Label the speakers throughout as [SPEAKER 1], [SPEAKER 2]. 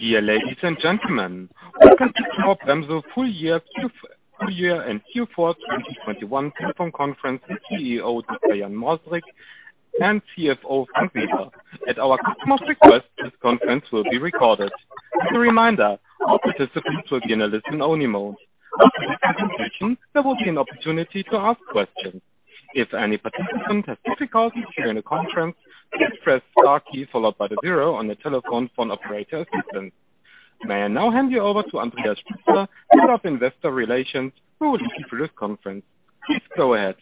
[SPEAKER 1] Dear ladies and gentlemen, welcome to Knorr-Bremse full year and Q4 2021 telephone conference with CEO, Dr. Jan Mrosik, and CFO, Frank Weber. At our customer's request, this conference will be recorded. As a reminder, all participants will be in a listen only mode. After the presentation, there will be an opportunity to ask questions. If any participant has difficulties during the conference, just press star key followed by the 0 on your telephone for an operator assistant. May I now hand you over to Andreas Spitzauer, Head of Investor Relations, who will introduce the conference. Please go ahead.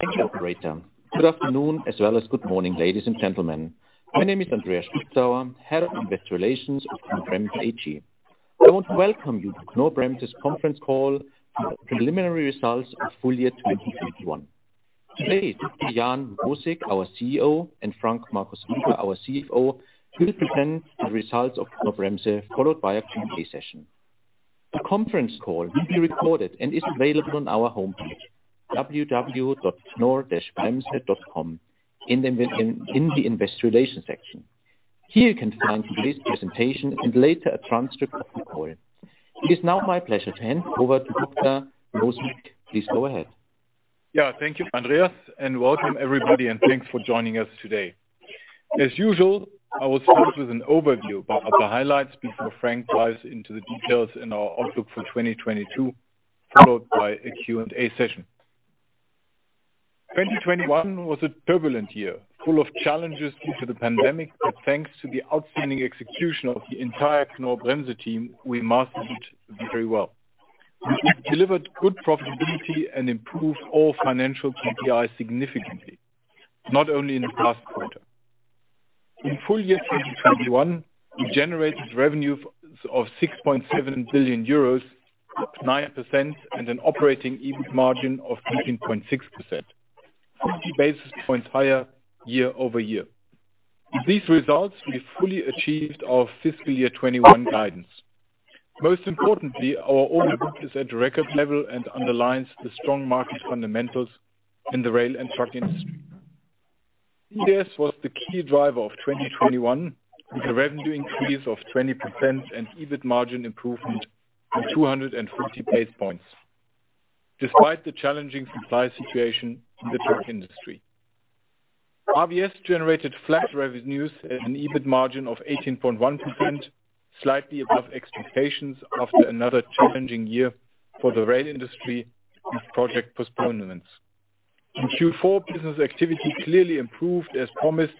[SPEAKER 2] Thank you, operator. Good afternoon, as well as good morning, ladies and gentlemen. My name is Andreas Spitzauer, Head of Investor Relations with Knorr-Bremse AG. I want to welcome you to Knorr-Bremse conference call, preliminary results of full year 2021. Today, Dr. Jan Mrosik, our CEO, and Frank Markus Weber, our CFO, will present the results of Knorr-Bremse, followed by a Q&A session. The conference call will be recorded and is available on our homepage, www.knorr-bremse.com in the Investor Relations section. Here you can find today's presentation and later a transcript of the call. It is now my pleasure to hand over to Dr. Jan Mrosik. Please go ahead.
[SPEAKER 3] Yeah. Thank you, Andreas, and welcome everybody, and thanks for joining us today. As usual, I will start with an overview of the highlights before Frank dives into the details in our outlook for 2022, followed by a Q&A session. 2021 was a turbulent year, full of challenges due to the pandemic, but thanks to the outstanding execution of the entire Knorr-Bremse team, we mastered it very well. We delivered good profitability and improved all financial KPIs significantly, not only in the last quarter. In full year 2021, we generated revenue of 6.7 billion euros, up 9%, and an operating EBIT margin of 13.6%, 50 basis points higher year-over-year. With these results, we fully achieved our fiscal year 2021 guidance. Most importantly, our order book is at record level and underlines the strong market fundamentals in the rail and truck industry. CVS was the key driver of 2021, with a revenue increase of 20% and EBIT margin improvement of 250 basis points, despite the challenging supply situation in the truck industry. RVS generated flat revenues and an EBIT margin of 18.1%, slightly above expectations after another challenging year for the rail industry with project postponements. In Q4, business activity clearly improved as promised,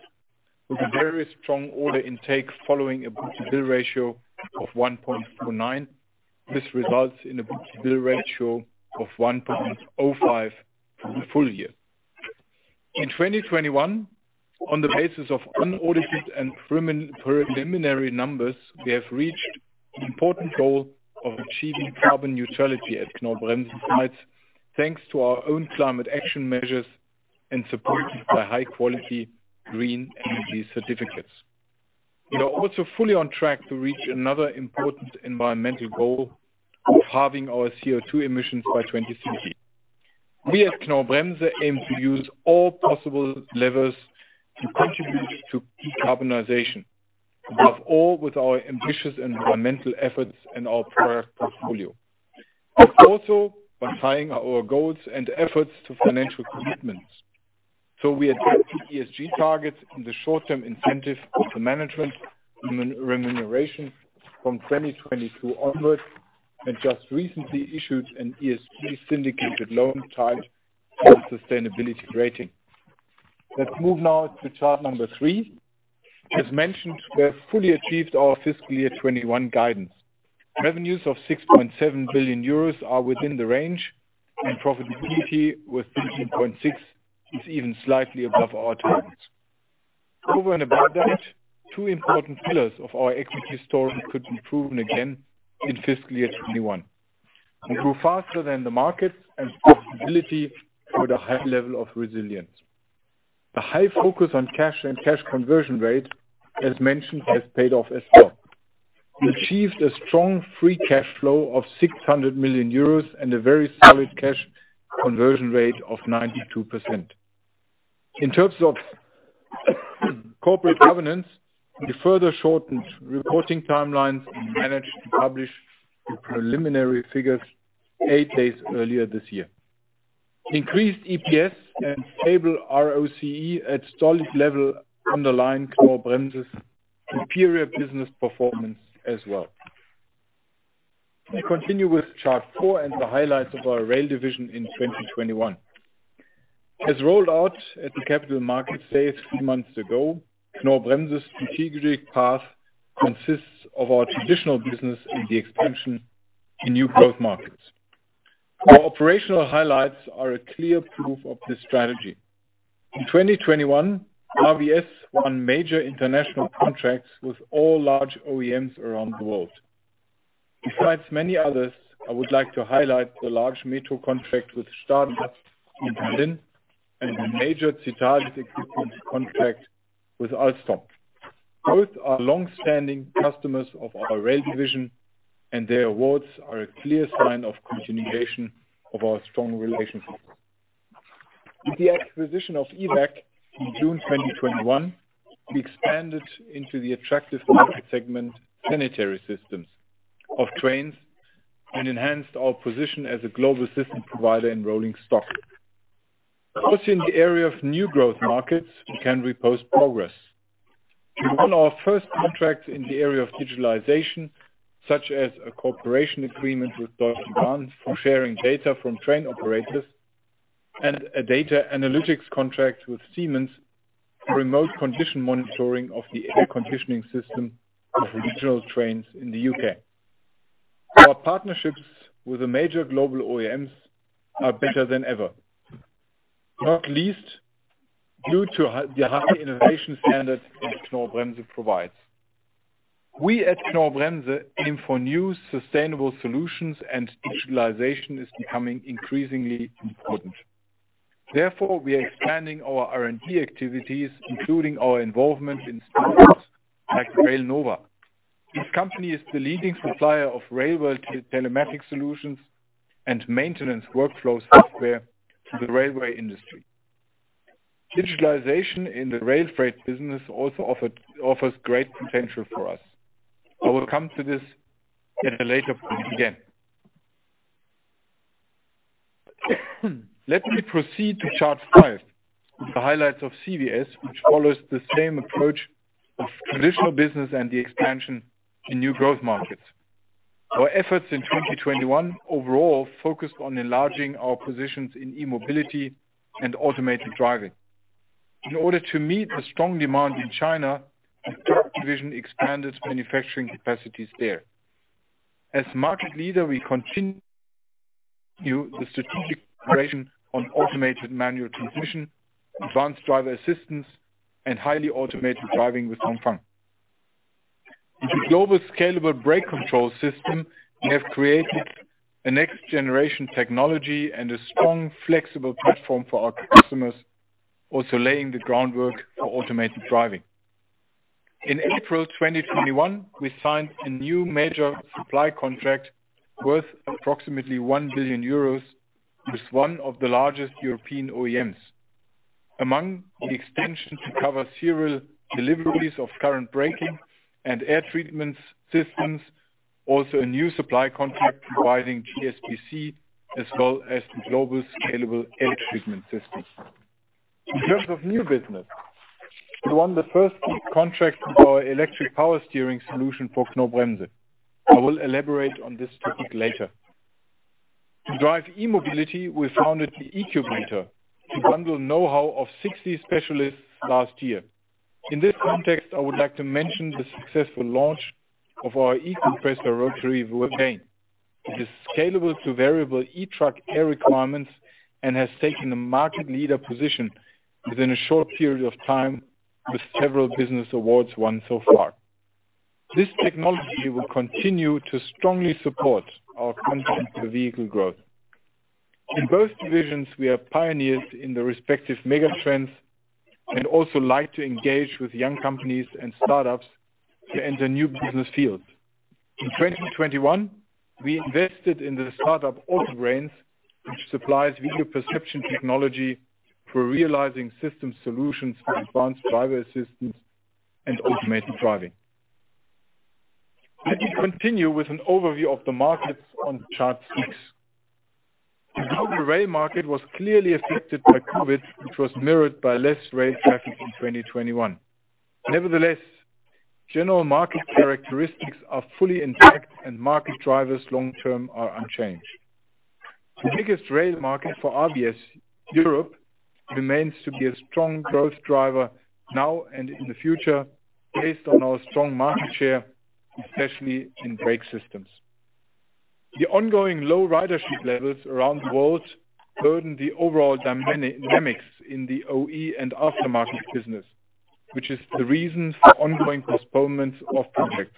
[SPEAKER 3] with a very strong order intake following a book-to-bill ratio of 1.49. This results in a book-to-bill ratio of 1.05 for the full year. In 2021, on the basis of unaudited and preliminary numbers, we have reached an important goal of achieving carbon neutrality at Knorr-Bremse sites, thanks to our own climate action measures and supported by high quality green energy certificates. We are also fully on track to reach another important environmental goal of halving our CO2 emissions by 2030. We at Knorr-Bremse aim to use all possible levers to contribute to decarbonization, above all with our ambitious environmental efforts and our product portfolio by tying our goals and efforts to financial commitments. We adopted ESG targets in the short term incentive of the management remuneration from 2022 onwards, and just recently issued an ESG syndicated loan tied to our sustainability rating. Let's move now to chart 3. As mentioned, we have fully achieved our fiscal year 2021 guidance. Revenues of 6.7 billion euros are within the range and profitability with 13.6% is even slightly above our targets. Over and above that, 2 important pillars of our equity story could be proven again in fiscal year 2021. We grew faster than the market and profitability with a high level of resilience. The high focus on cash and cash conversion rate, as mentioned, has paid off as well. We achieved a strong free cash flow of 600 million euros and a very solid cash conversion rate of 92%. In terms of corporate governance, we further shortened reporting timelines and managed to publish the preliminary figures 8 days earlier this year. Increased EPS and stable ROCE at solid level underline Knorr-Bremse's superior business performance as well. We continue with chart 4 and the highlights of our rail division in 2021. As rolled out at the Capital Market Day a few months ago, Knorr-Bremse's strategic path consists of our traditional business and the expansion in new growth markets. Our operational highlights are a clear proof of this strategy. In 2021, RVS won major international contracts with all large OEMs around the world. Besides many others, I would like to highlight the large metro contract with Stadler in Berlin and a major Citadis equipment contract with Alstom. Both are long-standing customers of our Rail Division, and their awards are a clear sign of continuation of our strong relationship. With the acquisition of Evac in June 2021, we expanded into the attractive market segment sanitary systems of trains and enhanced our position as a global system provider in rolling stock. Also, in the area of new growth markets can we post progress. We won our first contract in the area of digitalization, such as a cooperation agreement with Deutsche Bahn for sharing data from train operators and a data analytics contract with Siemens for remote condition monitoring of the air conditioning system of regional trains in the U.K. Our partnerships with the major global OEMs are better than ever, not least due to the high innovation standards that Knorr-Bremse provides. We at Knorr-Bremse aim for new sustainable solutions, and digitalization is becoming increasingly important. Therefore, we are expanding our R&D activities, including our involvement in startups like Railnova. This company is the leading supplier of railway telematics solutions and maintenance workflow software to the railway industry. Digitalization in the rail freight business also offers great potential for us. I will come to this at a later point again. Let me proceed to chart 5, the highlights of CVS, which follows the same approach of traditional business and the expansion in new growth markets. Our efforts in 2021 overall focused on enlarging our positions in e-mobility and automated driving. In order to meet the strong demand in China, our truck division expanded manufacturing capacities there. As market leader, we continue the strategic operation on automated manual transmission, advanced driver assistance, and highly automated driving with Dongfeng. In the Global Scalable Brake Control system, we have created a next-generation technology and a strong, flexible platform for our customers, also laying the groundwork for automated driving. In April 2021, we signed a new major supply contract worth approximately 1 billion euros with one of the largest European OEMs. Among the extension to cover serial deliveries of current braking and air treatment systems, also a new supply contract providing GSBC as well as the Global Scalable Air Treatment systems. In terms of new business, we won the first contract for our Electric Power Steering solution for Knorr-Bremse. I will elaborate on this topic later. To drive e-mobility, we founded the eCUBATOR to bundle know-how of 60 specialists last year. In this context, I would like to mention the successful launch of our eCompressor Rotary Vane, which is scalable to variable e-truck air requirements and has taken a market leader position within a short period of time with several business awards won so far. This technology will continue to strongly support our content per vehicle growth. In both divisions, we are pioneers in the respective mega trends and also like to engage with young companies and startups to enter new business fields. In 2021, we invested in the startup AutoBrains, which supplies video perception technology for realizing system solutions for advanced driver assistance and automated driving. Let me continue with an overview of the markets on chart 6. The global rail market was clearly affected by COVID, which was mirrored by less rail traffic in 2021. Nevertheless, general market characteristics are fully intact and market drivers long term are unchanged. The biggest rail market for RVS, Europe, remains to be a strong growth driver now and in the future based on our strong market share, especially in brake systems. The ongoing low ridership levels around the world burden the overall dynamics in the OE and aftermarket business, which is the reason for ongoing postponements of projects.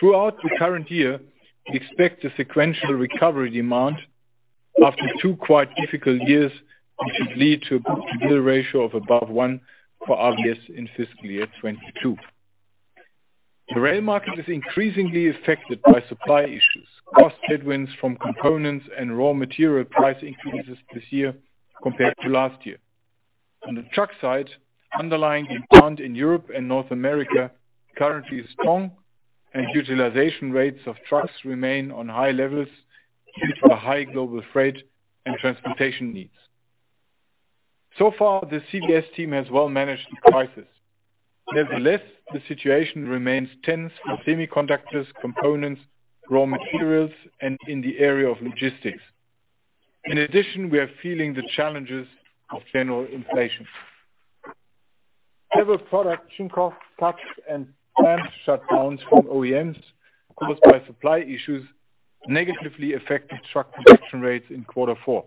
[SPEAKER 3] Throughout the current year, we expect a sequential recovery demand after 2 quite difficult years, which would lead to a book-to-bill ratio of above 1 for RVS in fiscal year 2022. The rail market is increasingly affected by supply issues, cost headwinds from components and raw material price increases this year compared to last year. On the truck side, underlying demand in Europe and North America currently is strong, and utilization rates of trucks remain on high levels due to high global freight and transportation needs. So far, the CVS team has well managed the crisis. Nevertheless, the situation remains tense for semiconductors, components, raw materials, and in the area of logistics. In addition, we are feeling the challenges of general inflation. Several production costs, cuts, and plant shutdowns from OEMs caused by supply issues negatively affected truck production rates in quarter four.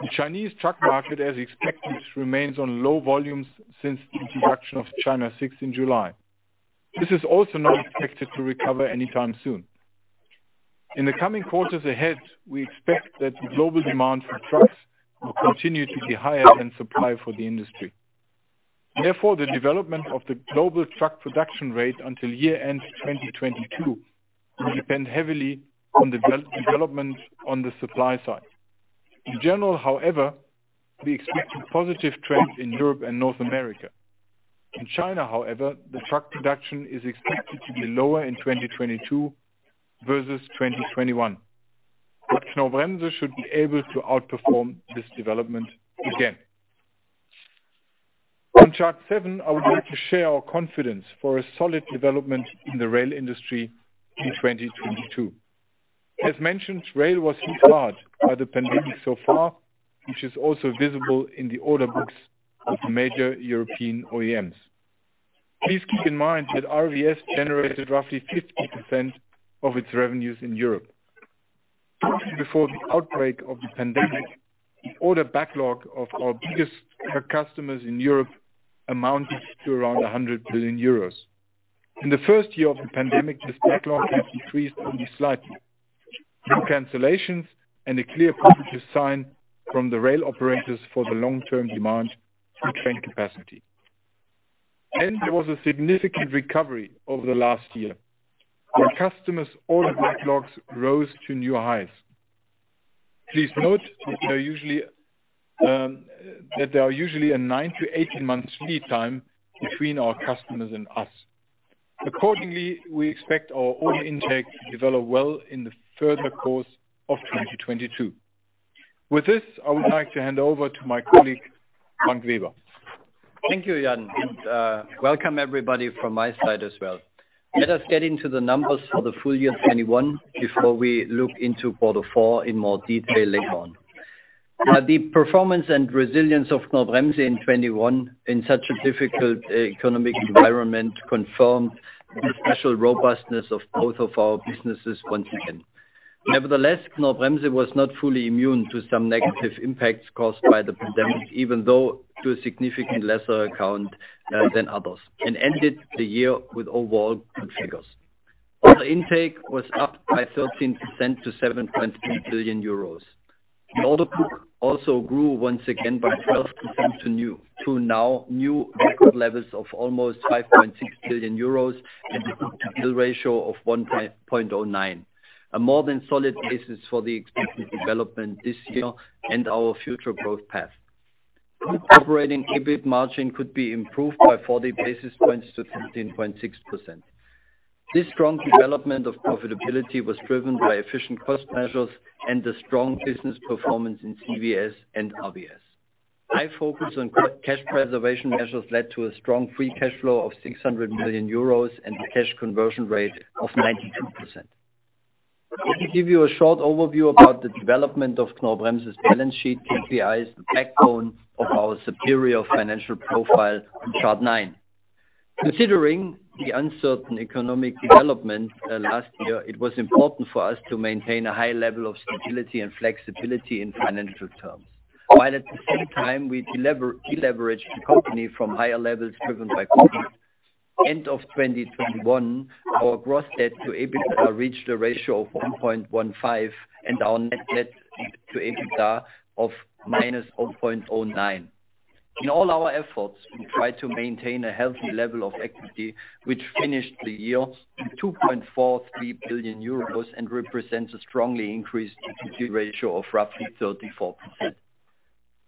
[SPEAKER 3] The Chinese truck market, as expected, remains on low volumes since the introduction of China VI in July. This is also not expected to recover anytime soon. In the coming quarters ahead, we expect that the global demand for trucks will continue to be higher than supply for the industry. Therefore, the development of the global truck production rate until year-end 2022 will depend heavily on the development on the supply side. In general, however, we expect a positive trend in Europe and North America. In China, however, the truck production is expected to be lower in 2022 versus 2021. Knorr-Bremse should be able to outperform this development again. On chart seven, I would like to share our confidence for a solid development in the rail industry in 2022. As mentioned, rail was hit hard by the pandemic so far, which is also visible in the order books of the major European OEMs. Please keep in mind that RVS generated roughly 50% of its revenues in Europe. Shortly before the outbreak of the pandemic, the order backlog of our biggest customers in Europe amounted to around 100 billion euros. In the first year of the pandemic, this backlog has increased only slightly through cancellations and a clear positive sign from the rail operators for the long-term demand for train capacity. There was a significant recovery over the last year, when customers' order backlogs rose to new highs. Please note that there are usually a 9-18 months lead time between our customers and us. Accordingly, we expect our order intake to develop well in the further course of 2022. With this, I would like to hand over to my colleague, Frank Weber.
[SPEAKER 4] Thank you, Jan, and welcome everybody from my side as well. Let us get into the numbers for the full year 2021 before we look into quarter four in more detail later on. Now, the performance and resilience of Knorr-Bremse in 2021 in such a difficult economic environment confirmed the special robustness of both of our businesses once again. Nevertheless, Knorr-Bremse was not fully immune to some negative impacts caused by the pandemic, even though to a significantly lesser extent than others, and ended the year with overall good figures. Order intake was up by 13% to 7.2 billion euros. The order book also grew once again by 12% to new record levels of almost 5.6 billion euros and a book-to-bill ratio of 1.09. A more than solid basis for the expected development this year and our future growth path. Operating EBIT margin could be improved by 40 basis points to 13.6%. This strong development of profitability was driven by efficient cost measures and the strong business performance in CVS and RVS. High focus on cash preservation measures led to a strong free cash flow of 600 million euros and a cash conversion rate of 92%. Let me give you a short overview about the development of Knorr-Bremse's balance sheet, which we view as the backbone of our superior financial profile on Chart 9. Considering the uncertain economic development last year, it was important for us to maintain a high level of stability and flexibility in financial terms. While at the same time, we deleveraged the company from higher levels driven by COVID. End of 2021, our gross debt to EBITDA reached a ratio of 1.15 and our net debt to EBITDA of -0.09. In all our efforts, we tried to maintain a healthy level of equity, which finished the year at 2.43 billion euros and represents a strongly increased equity ratio of roughly 34%.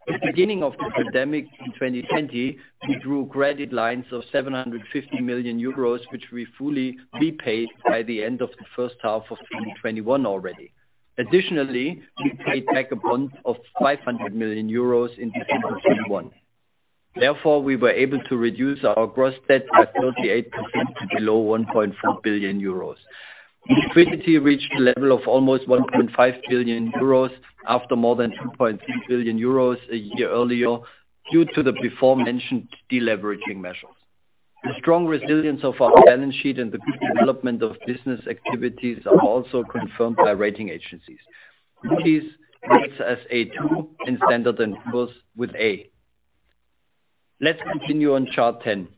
[SPEAKER 4] At the beginning of the pandemic in 2020, we drew credit lines of 750 million euros, which we fully repaid by the end of the first half of 2021 already. Additionally, we paid back a bond of 500 million euros in 2021. Therefore, we were able to reduce our gross debt by 38% to below 1.4 billion euros. Liquidity reached a level of almost 1.5 billion euros after more than 2.3 billion euros a year earlier, due to the before mentioned deleveraging measures. The strong resilience of our balance sheet and the good development of business activities are also confirmed by rating agencies. Moody's rates us A2 and Standard & Poor's with A. Let's continue on chart 10.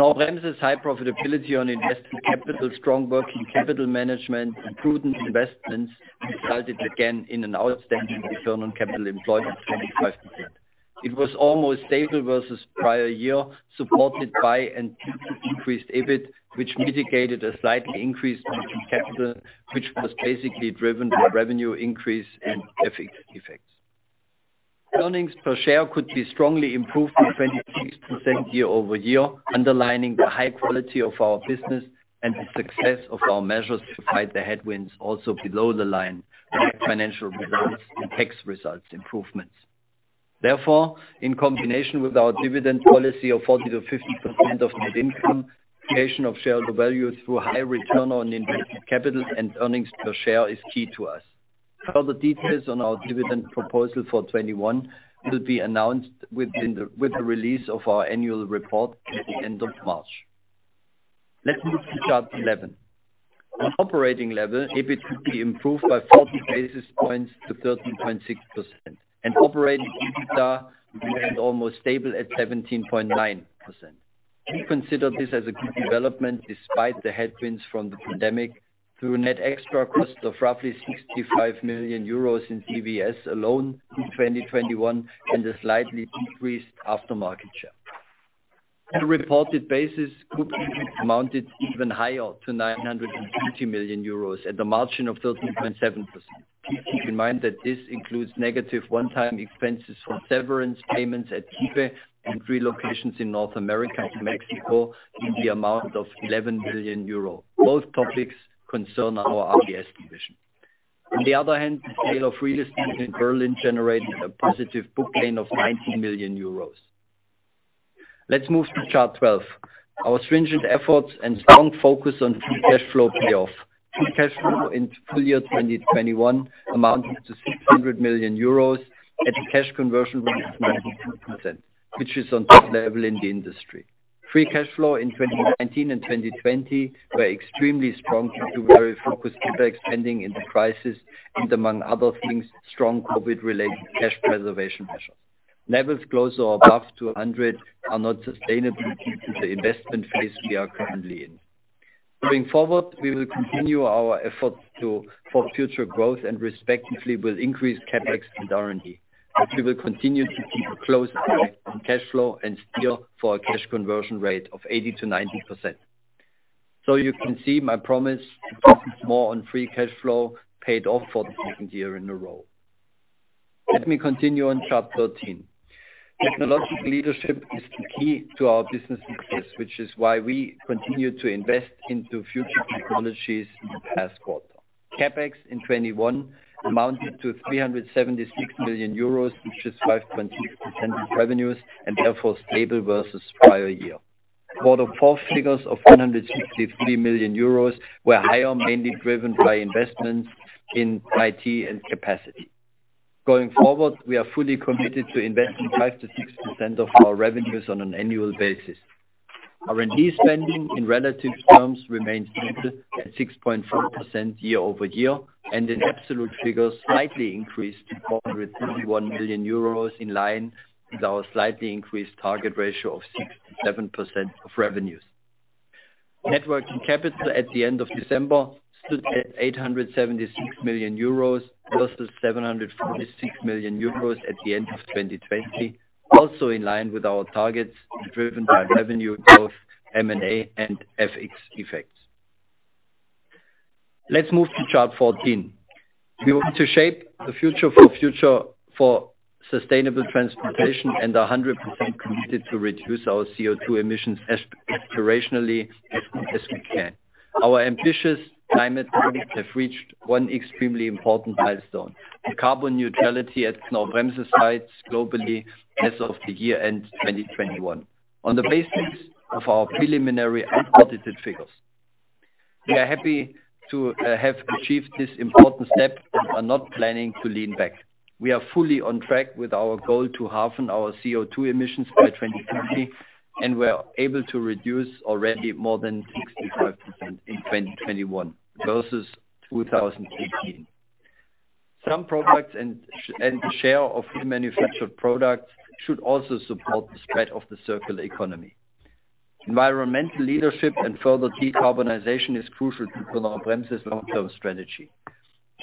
[SPEAKER 4] Knorr-Bremse's high profitability on invested capital, strong working capital management, and prudent investments resulted again in an outstanding return on capital employed of 25%. It was almost stable versus prior year, supported by an increased EBIT, which mitigated a slight increase in working capital, which was basically driven by revenue increase and FX effects. Earnings per share could be strongly improved by 26% year-over-year, underlining the high quality of our business and the success of our measures to fight the headwinds also below the line, like financial results and tax results improvements. Therefore, in combination with our dividend policy of 40%-50% of net income, creation of shareholder value through high return on invested capital and earnings per share is key to us. Further details on our dividend proposal for 2021 will be announced with the release of our annual report at the end of March. Let's move to chart 11. On operating level, EBIT could be improved by 40 basis points to 13.6%. Operating EBITDA remained almost stable at 17.9%. We consider this as a good development despite the headwinds from the pandemic through net extra cost of roughly 65 million euros in CVS alone in 2021 and a slightly decreased aftermarket share. On a reported basis, group amounted even higher to 950 million euros at a margin of 13.7%. Please keep in mind that this includes negative one-time expenses from severance payments at Kiepe and relocations in North America to Mexico in the amount of 11 billion euro. Both topics concern our RVS division. On the other hand, the sale of real estate in Berlin generated a positive book gain of 19 million euros. Let's move to Chart 12. Our stringent efforts and strong focus on free cash flow payoff. Free cash flow in full year 2021 amounted to 600 million euros at a cash conversion rate of 92%, which is on par level in the industry. Free cash flow in 2019 and 2020 were extremely strong due to very focused CapEx spending in the crisis, and among other things, strong COVID-related cash preservation measures. Levels close or above 200 million are not sustainable due to the investment phase we are currently in. Going forward, we will continue our efforts to, for future growth and respectively with increased CapEx and R&D. We will continue to keep a close eye on cash flow and steer for a cash conversion rate of 80%-90%. You can see my promise to focus more on free cash flow paid off for the second year in a row. Let me continue on chart 13. Technological leadership is the key to our business success, which is why we continue to invest into future technologies in the past quarter. CapEx in 2021 amounted to 376 million euros, which is 5.6% of revenues, and therefore stable versus prior year. Q4 figures of 163 million euros were higher, mainly driven by investments in IT and capacity. Going forward, we are fully committed to investing 5%-6% of our revenues on an annual basis. R&D spending in relative terms remained stable at 6.4% year-over-year, and in absolute figures slightly increased to 421 million euros in line with our slightly increased target ratio of 6%-7% of revenues. Net working capital at the end of December stood at 876 million euros versus 746 million euros at the end of 2020, also in line with our targets driven by revenue growth, M&A, and FX effects. Let's move to chart 14. We want to shape the future for sustainable transportation and are 100% committed to reduce our CO2 emissions aspirationally as we can. Our ambitious climate targets have reached one extremely important milestone, the carbon neutrality at Knorr-Bremse sites globally as of the year end, 2021, on the basis of our preliminary unaudited figures. We are happy to have achieved this important step and are not planning to lean back. We are fully on track with our goal to halve our CO2 emissions by 2030, and we are able to reduce already more than 65% in 2021 versus 2018. Some products and the share of remanufactured products should also support the spread of the circular economy. Environmental leadership and further decarbonization is crucial to Knorr-Bremse's long-term strategy.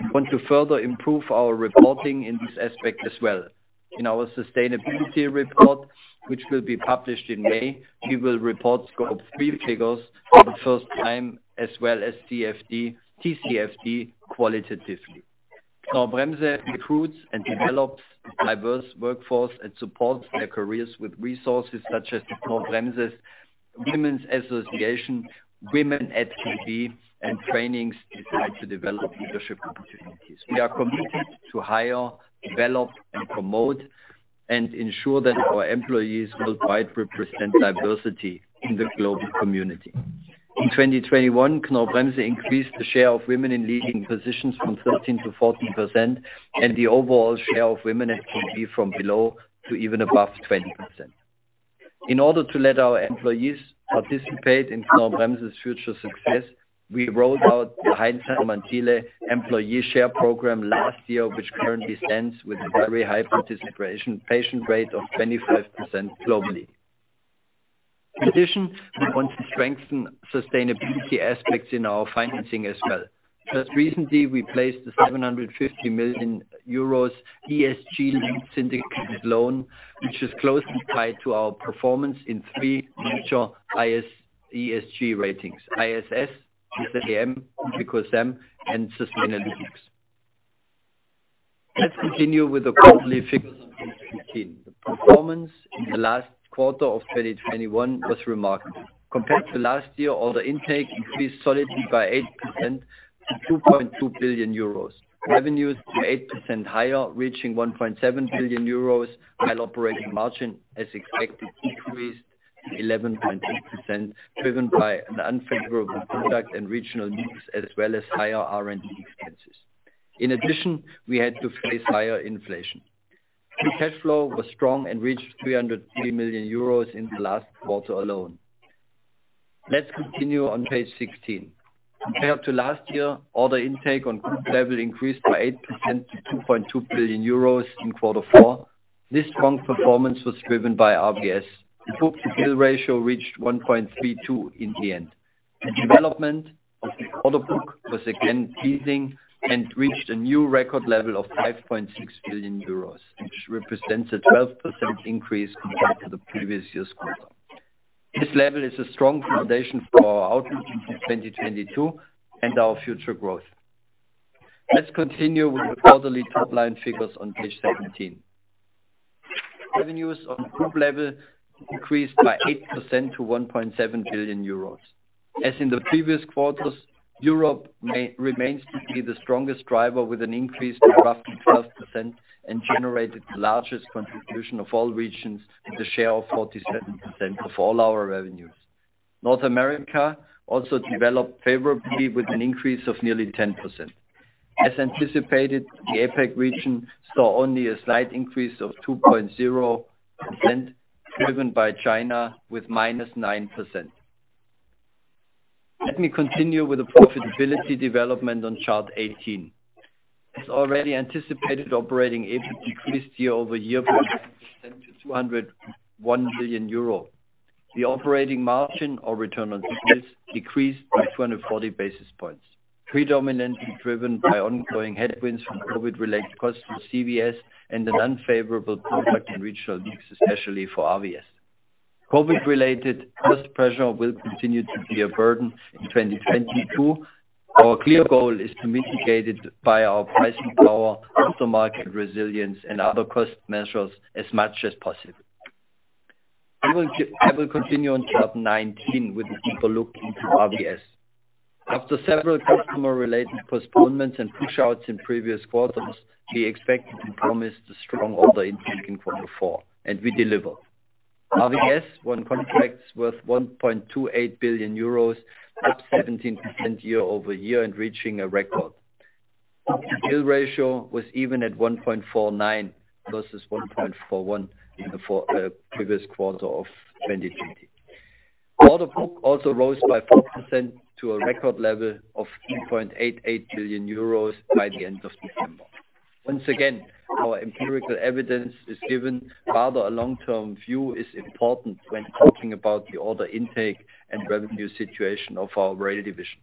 [SPEAKER 4] We want to further improve our reporting in this aspect as well. In our sustainability report, which will be published in May, we will report Scope 3 figures for the first time, as well as TCFD qualitatively. Knorr-Bremse recruits and develops a diverse workforce and supports their careers with resources such as the Knorr-Bremse Women's Association, Women at KB, and trainings designed to develop leadership opportunities. We are committed to hire, develop, and promote and ensure that our employees worldwide represent diversity in the global community. In 2021, Knorr-Bremse increased the share of women in leading positions from 13%-14%, and the overall share of women at KB from below to even above 20%. In order to let our employees participate in Knorr-Bremse's future success, we rolled out the Heinz Hermann Thiele employee share program last year, which currently stands with a very high participation rate of 25% globally. In addition, we want to strengthen sustainability aspects in our financing as well. Just recently, we placed a 750 million euros ESG-linked syndicated loan, which is closely tied to our performance in three major ESG ratings, ISS, RobecoSAM and Sustainalytics. Let's continue with the quarterly figures on page 15. The performance in the last quarter of 2021 was remarkable. Compared to last year, order intake increased solidly by 8% to 2.2 billion euros. Revenues were 8% higher, reaching 1.7 billion euros, while operating margin, as expected, decreased to 11.6%, driven by an unfavorable product and regional mix, as well as higher R&D expenses. In addition, we had to face higher inflation. Free cash flow was strong and reached 303 million euros in the last quarter alone. Let's continue on page 16. Compared to last year, order intake on group level increased by 8% to 2.2 billion euros in quarter four. This strong performance was driven by RVS. The book-to-bill ratio reached 1.32 in the end. The development of the order book was again pleasing and reached a new record level of 5.6 billion euros, which represents a 12% increase compared to the previous year's quarter. This level is a strong foundation for our outlook into 2022 and our future growth. Let's continue with the quarterly top-line figures on page 17. Revenues on group level increased by 8% to 1.7 billion euros. As in the previous quarters, Europe remains to be the strongest driver, with an increase of roughly 12% and generated the largest contribution of all regions, with a share of 47% of all our revenues. North America also developed favorably with an increase of nearly 10%. As anticipated, the APAC region saw only a slight increase of 2.0%, driven by China with -9%. Let me continue with the profitability development on chart 18. As already anticipated, operating EBIT increased year-over-year by 10% to 201 million euro. The operating margin or return on sales decreased by 240 basis points, predominantly driven by ongoing headwinds from COVID-related costs to CVS and an unfavorable product and regional mix, especially for RVS. COVID-related cost pressure will continue to be a burden in 2022. Our clear goal is to mitigate it by our pricing power, aftermarket resilience, and other cost measures as much as possible. I will continue on chart 19 with a deeper look into RVS. After several customer-related postponements and pushouts in previous quarters, we expected and promised a strong order intake in quarter four, and we delivered. RVS won contracts worth 1.28 billion euros, up 17% year-over-year and reaching a record. The book-to-bill ratio was 1.49 versus 1.41 for previous quarter of 2020. Order book also rose by 4% to a record level of 2.88 billion euros by the end of December. Once again, our empirical evidence is given. Rather, a long-term view is important when talking about the order intake and revenue situation of our Rail Division.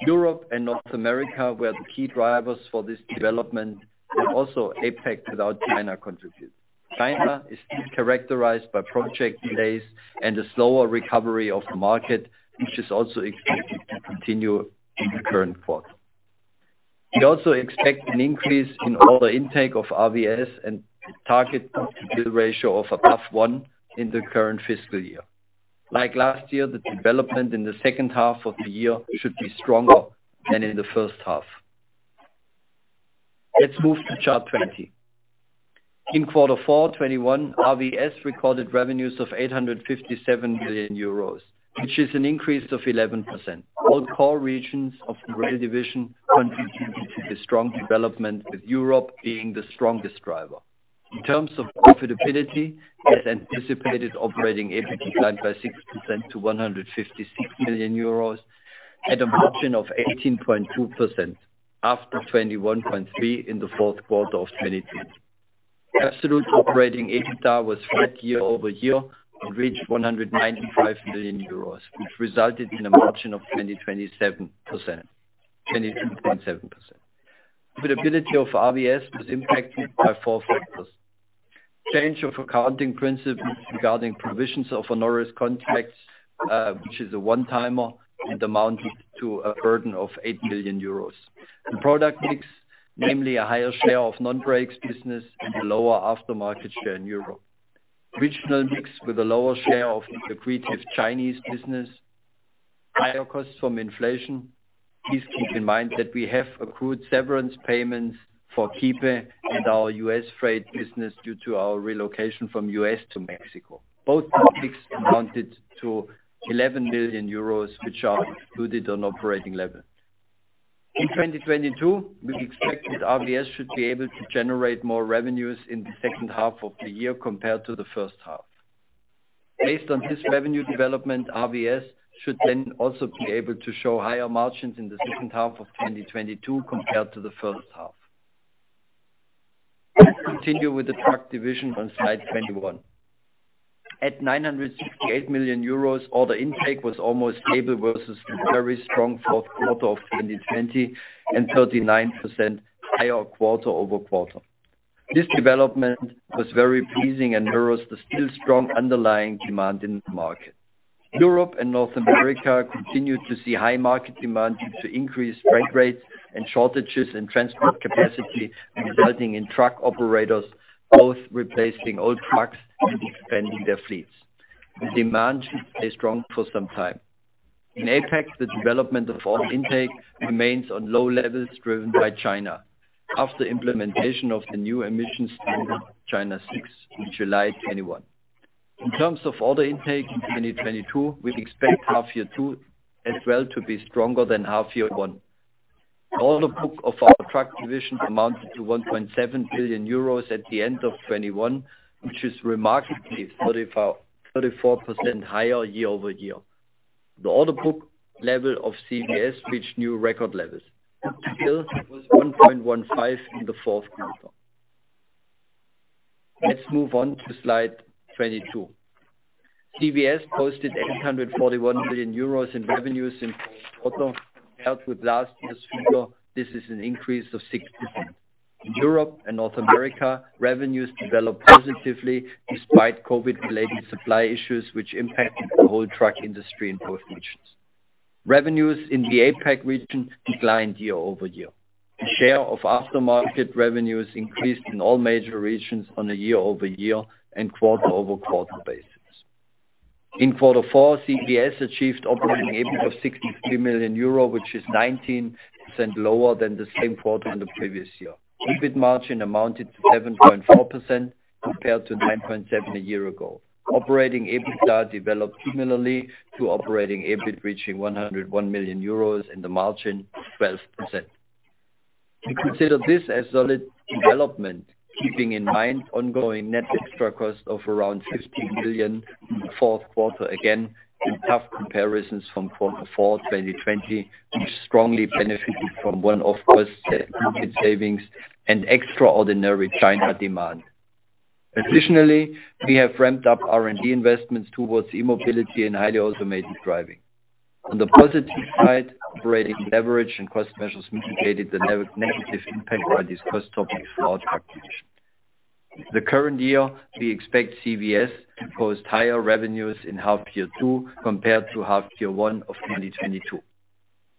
[SPEAKER 4] Europe and North America were the key drivers for this development, and also APAC without China contributed. China is still characterized by project delays and a slower recovery of the market, which is also expected to continue in the current quarter. We also expect an increase in order intake of RVS and target book-to-bill ratio of above 1 in the current fiscal year. Like last year, the development in the second half of the year should be stronger than in the first half. Let's move to chart 20. In quarter four 2021, RVS recorded revenues of 857 million euros, which is an increase of 11%. All core regions of the rail division contributed to the strong development, with Europe being the strongest driver. In terms of profitability, as anticipated, operating EBIT declined by 6% to 156 million euros at a margin of 18.2%, after 21.3% in the fourth quarter of 2021. Absolute operating EBITDA was flat year-over-year and reached 195 million euros, which resulted in a margin of 22.7%. Profitability of RVS was impacted by four factors: change of accounting principles regarding provisions of onerous contracts, which is a one-timer and amounted to a burden of 8 million euros. The product mix, namely a higher share of non-brakes business and a lower aftermarket share in Europe. Regional mix with a lower share of the greater Chinese business. Higher costs from inflation. Please keep in mind that we have accrued severance payments for Kiepe and our U.S. freight business due to our relocation from U.S. to Mexico. Both topics amounted to 11 million euros, which are included on operating level. In 2022, we expect that RVS should be able to generate more revenues in the second half of the year compared to the first half. Based on this revenue development, RVS should then also be able to show higher margins in the second half of 2022 compared to the first half. Continue with the Truck Division on slide 21. At 968 million euros, order intake was almost stable versus the very strong fourth quarter of 2020 and 39% higher quarter-over-quarter. This development was very pleasing and mirrors the still strong underlying demand in the market. Europe and North America continued to see high market demand due to increased freight rates and shortages in transport capacity, resulting in truck operators both replacing old trucks and expanding their fleets. The demand should stay strong for some time. In APAC, the development of order intake remains on low levels driven by China after implementation of the new emissions standard, China VI, in July 2021. In terms of order intake in 2022, we expect half year two as well to be stronger than half year one. The order book of our Truck Division amounted to 1.7 billion euros at the end of 2021, which is remarkably 34% higher year-over-year. The order book level of CVS reached new record levels. Still, it was 1.15 in the fourth quarter. Let's move on to slide 22. CVS posted 841 million euros in revenues in quarter. Compared with last year's figure, this is an increase of 6%. In Europe and North America, revenues developed positively despite COVID-related supply issues, which impacted the whole truck industry in both regions. Revenues in the APAC region declined year-over-year. The share of aftermarket revenues increased in all major regions on a year-over-year and quarter-over-quarter basis. In quarter four, CVS achieved operating EBIT of 63 million euro, which is 19% lower than the same quarter in the previous year. EBIT margin amounted to 7.4% compared to 9.7% a year ago. Operating EBITDA developed similarly to operating EBIT, reaching 101 million euros in the margin, 12%. We consider this as solid development, keeping in mind ongoing net extra cost of around 50 million in the fourth quarter, again, in tough comparisons from quarter four, 2020, which strongly benefited from one-off cost savings and extraordinary China demand. Additionally, we have ramped up R&D investments towards e-mobility and highly automated driving. On the positive side, operating leverage and cost measures mitigated the negative impact on these cost topics for our truck division. The current year, we expect CVS to post higher revenues in half year two compared to half year one of 2022.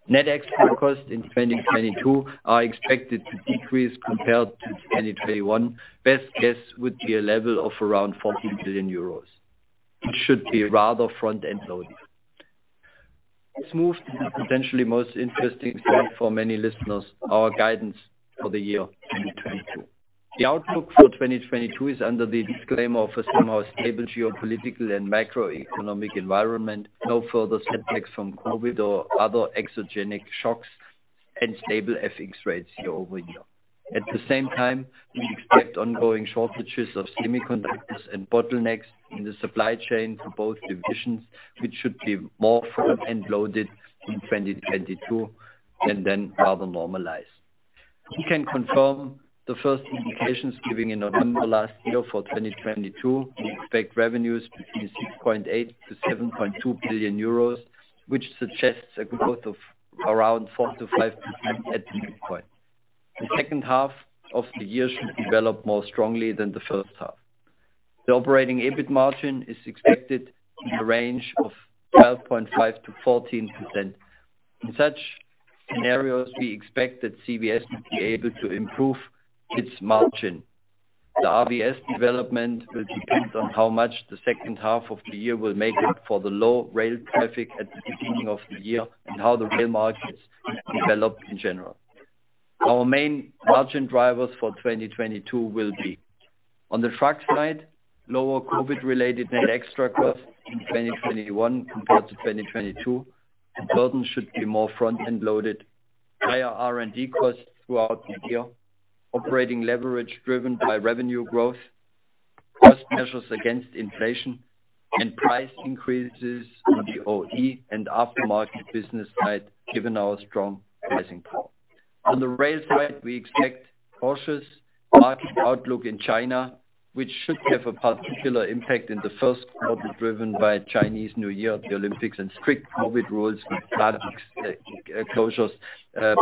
[SPEAKER 4] Net extra costs in 2022 are expected to decrease compared to 2021. Best guess would be a level of around 14 billion euros, which should be rather front-end loaded. Let's move to the potentially most interesting point for many listeners, our guidance for the year 2022. The outlook for 2022 is under the disclaimer of a somehow stable geopolitical and macroeconomic environment, no further setbacks from COVID or other exogenous shocks, and stable FX rates year-over-year. At the same time, we expect ongoing shortages of semiconductors and bottlenecks in the supply chain for both divisions, which should be more front-end loaded in 2022 and then rather normalize. We can confirm the first indications given in November last year. For 2022, we expect revenues between 6.8 billion-7.2 billion euros, which suggests a growth of around 4%-5% at the midpoint. The second half of the year should develop more strongly than the first half. The operating EBIT margin is expected in the range of 12.5%-14%. In such scenarios, we expect that CVS should be able to improve its margin. The RVS development will depend on how much the second half of the year will make up for the low rail traffic at the beginning of the year and how the rail markets develop in general. Our main margin drivers for 2022 will be, on the truck side, lower COVID-related net extra costs in 2021 compared to 2022, and burden should be more front-end loaded. Higher R&D costs throughout the year. Operating leverage driven by revenue growth. Cost measures against inflation and price increases on the OE and aftermarket business side, given our strong pricing power. On the rail side, we expect cautious market outlook in China, which should have a particular impact in the first quarter, driven by Chinese New Year, the Olympics, and strict COVID rules with plant closures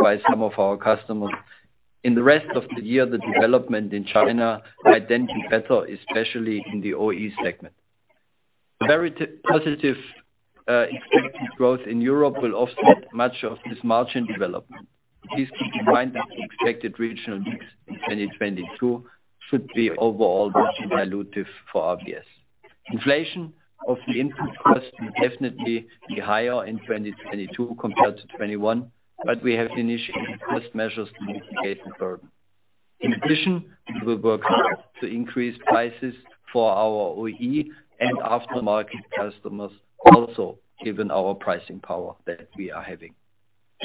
[SPEAKER 4] by some of our customers. In the rest of the year, the development in China might then be better, especially in the OE segment. Very positive expected growth in Europe will offset much of this margin development. Please keep in mind that the expected regional mix in 2022 should be overall dilutive for RVS. Inflation of the input costs will definitely be higher in 2022 compared to 2021, but we have initiated cost measures to mitigate the burden. In addition, we will work hard to increase prices for our OE and aftermarket customers also, given our pricing power that we are having.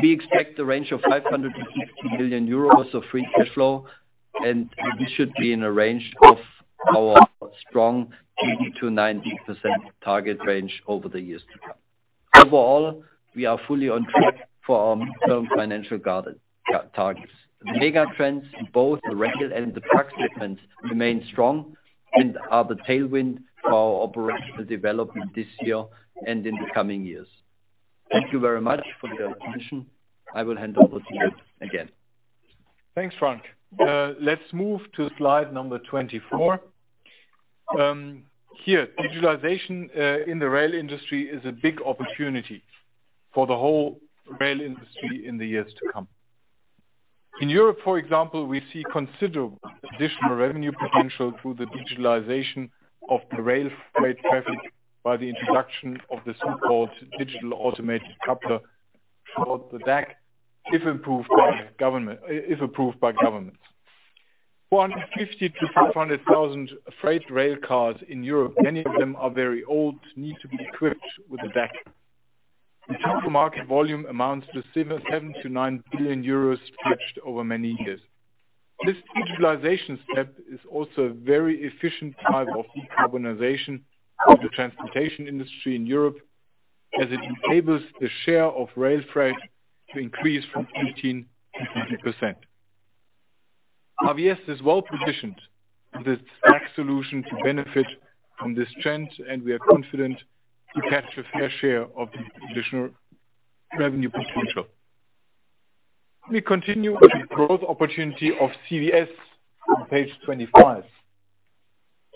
[SPEAKER 4] We expect a range of 550 million euros of free cash flow, and we should be in a range of our strong 80%-90% target range over the years to come. Overall, we are fully on track for our long-term financial guidance targets. The megatrends in both the rail and the truck segments remain strong and are the tailwind for our operational development this year and in the coming years. Thank you very much for your attention. I will hand over to Jan again.
[SPEAKER 3] Thanks, Frank. Let's move to slide number 24. Here, digitalization in the rail industry is a big opportunity for the whole rail industry in the years to come. In Europe, for example, we see considerable additional revenue potential through the digitalization of the rail freight traffic by the introduction of the so-called Digital Automatic Coupler, called the DAC, if approved by governments. 450,000-500,000 freight rail cars in Europe, many of them are very old, need to be equipped with a DAC. The total market volume amounts to 7 billion-9 billion euros stretched over many years. This digitalization step is also a very efficient type of decarbonization of the transportation industry in Europe, as it enables the share of rail freight to increase from 15%-20%. RVS is well-positioned with its DAC solution to benefit from this trend, and we are confident to capture a fair share of the additional revenue potential. We continue with the growth opportunity of CVS on page 25.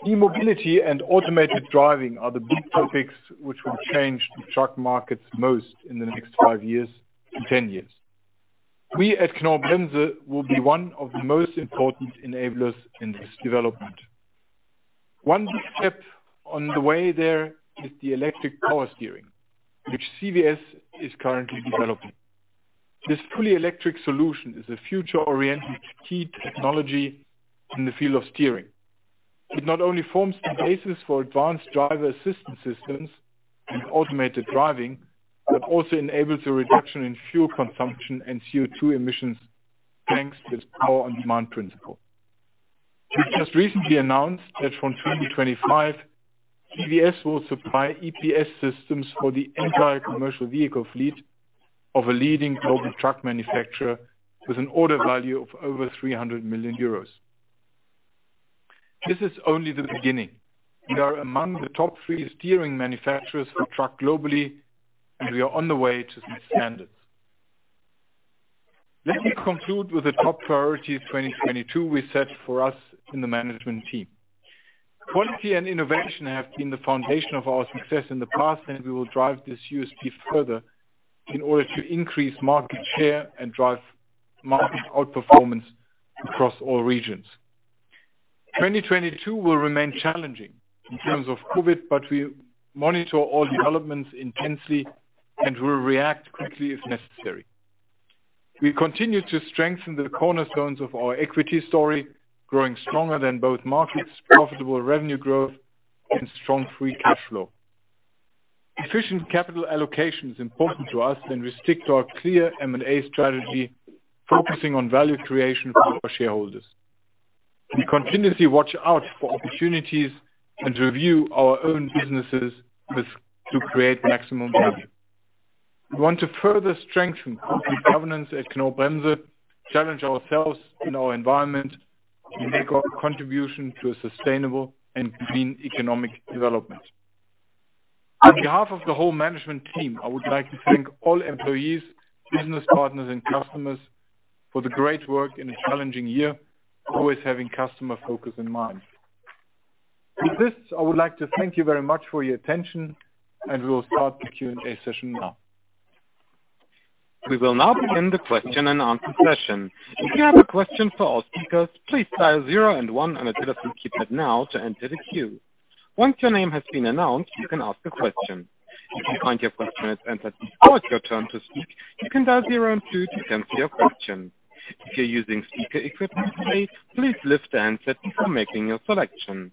[SPEAKER 3] E-mobility and automated driving are the big topics which will change the truck markets most in the next 5 years-10 years. We at Knorr-Bremse will be one of the most important enablers in this development. One big step on the way there is the electric power steering, which CVS is currently developing. This fully electric solution is a future-oriented key technology in the field of steering. It not only forms the basis for advanced driver assistance systems and automated driving, but also enables a reduction in fuel consumption and CO2 emissions, thanks to its power-on-demand principle. We just recently announced that from 2025, CVS will supply EPS systems for the entire commercial vehicle fleet of a leading global truck manufacturer with an order value of over 300 million euros. This is only the beginning. We are among the top three steering manufacturers for trucks globally, and we are on the way to set standards. Let me conclude with the top priority of 2022 we set for us in the management team. Quality and innovation have been the foundation of our success in the past, and we will drive this USP further in order to increase market share and drive market outperformance across all regions. 2022 will remain challenging in terms of COVID, but we monitor all developments intensely and will react quickly if necessary. We continue to strengthen the cornerstones of our equity story, growing stronger than both markets, profitable revenue growth and strong free cash flow. Efficient capital allocation is important to us, and we stick to our clear M&A strategy, focusing on value creation for our shareholders. We continuously watch out for opportunities and review our own businesses to create maximum value. We want to further strengthen company governance at Knorr-Bremse, challenge ourselves in our environment, and make our contribution to a sustainable and clean economic development. On behalf of the whole management team, I would like to thank all employees, business partners, and customers for the great work in a challenging year, always having customer focus in mind. With this, I would like to thank you very much for your attention, and we will start the Q&A session now.
[SPEAKER 1] We will now begin the question and answer session. If you have a question for our speakers, please dial zero and one on the telephone keypad now to enter the queue. Once your name has been announced, you can ask a question. If you find your question has entered the queue, it's your turn to speak, you can dial zero and two to cancel your question. If you're using speaker equipment today, please lift the handset before making your selection.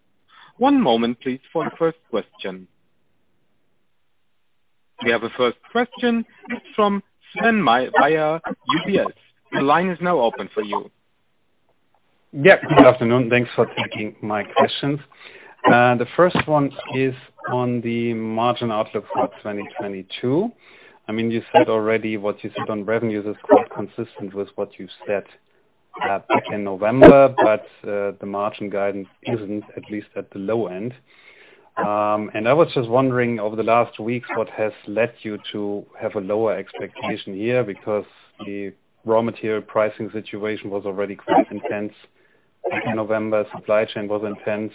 [SPEAKER 1] One moment, please, for the first question. We have a first question from Sven Weier, UBS. The line is now open for you.
[SPEAKER 5] Yeah. Good afternoon. Thanks for taking my questions. The first one is on the margin outlook for 2022. I mean, you said already what you said on revenues is quite consistent with what you said back in November, but the margin guidance isn't at least at the low end. I was just wondering over the last weeks, what has led you to have a lower expectation here because the raw material pricing situation was already quite intense back in November. Supply chain was intense.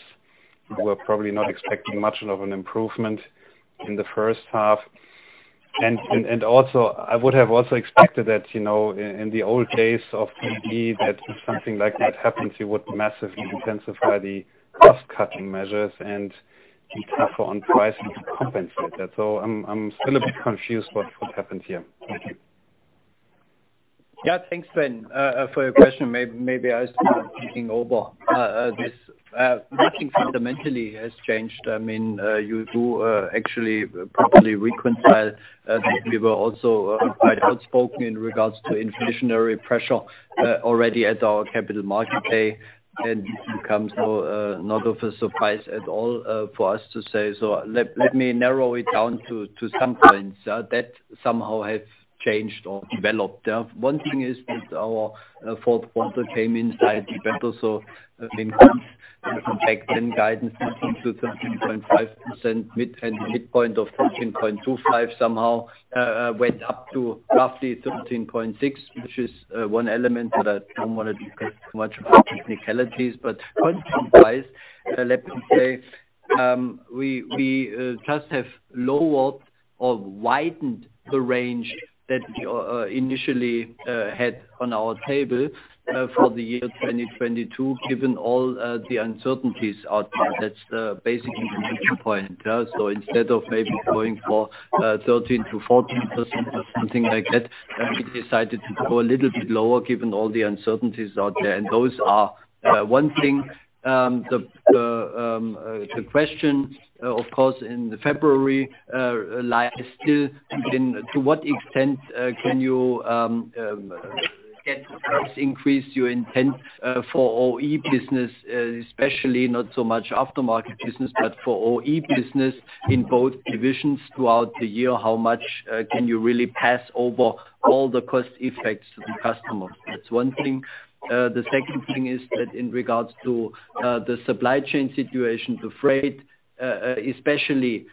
[SPEAKER 5] You were probably not expecting much of an improvement in the first half. I would have also expected that, you know, in the old days of Knorr-Bremse, that if something like that happens, you would massively intensify the cost-cutting measures and be tougher on pricing to compensate that. I'm still a bit confused what happened here. Thank you.
[SPEAKER 4] Yeah, thanks, Sven, for your question. Maybe I start thinking over this. Nothing fundamentally has changed. I mean, you do actually properly reconcile. We were also quite outspoken in regards to inflationary pressure already at our Capital Markets Day. This comes not as a surprise at all for us to say. Let me narrow it down to some points that somehow have changed or developed. One thing is that our fourth quarter came in better. I think back then guidance 13%-13.5%, mid-teens, midpoint of 13.25% somehow went up to roughly 13.6%, which is one element that I don't wanna discuss too much about technicalities. Point comprised, let me say We just have lowered or widened the range that we initially had on our table for the year 2022, given all the uncertainties out there. That's the basic entry point. Instead of maybe going for 13%-14% or something like that, we decided to go a little bit lower given all the uncertainties out there. Those are one thing, the question, of course, in February, still lies in to what extent you can get the price increase you intend for OE business, especially not so much aftermarket business, but for OE business in both divisions throughout the year, how much can you really pass on all the cost effects to the customer? That's one thing. The second thing is that in regard to the supply chain situation, the freight especially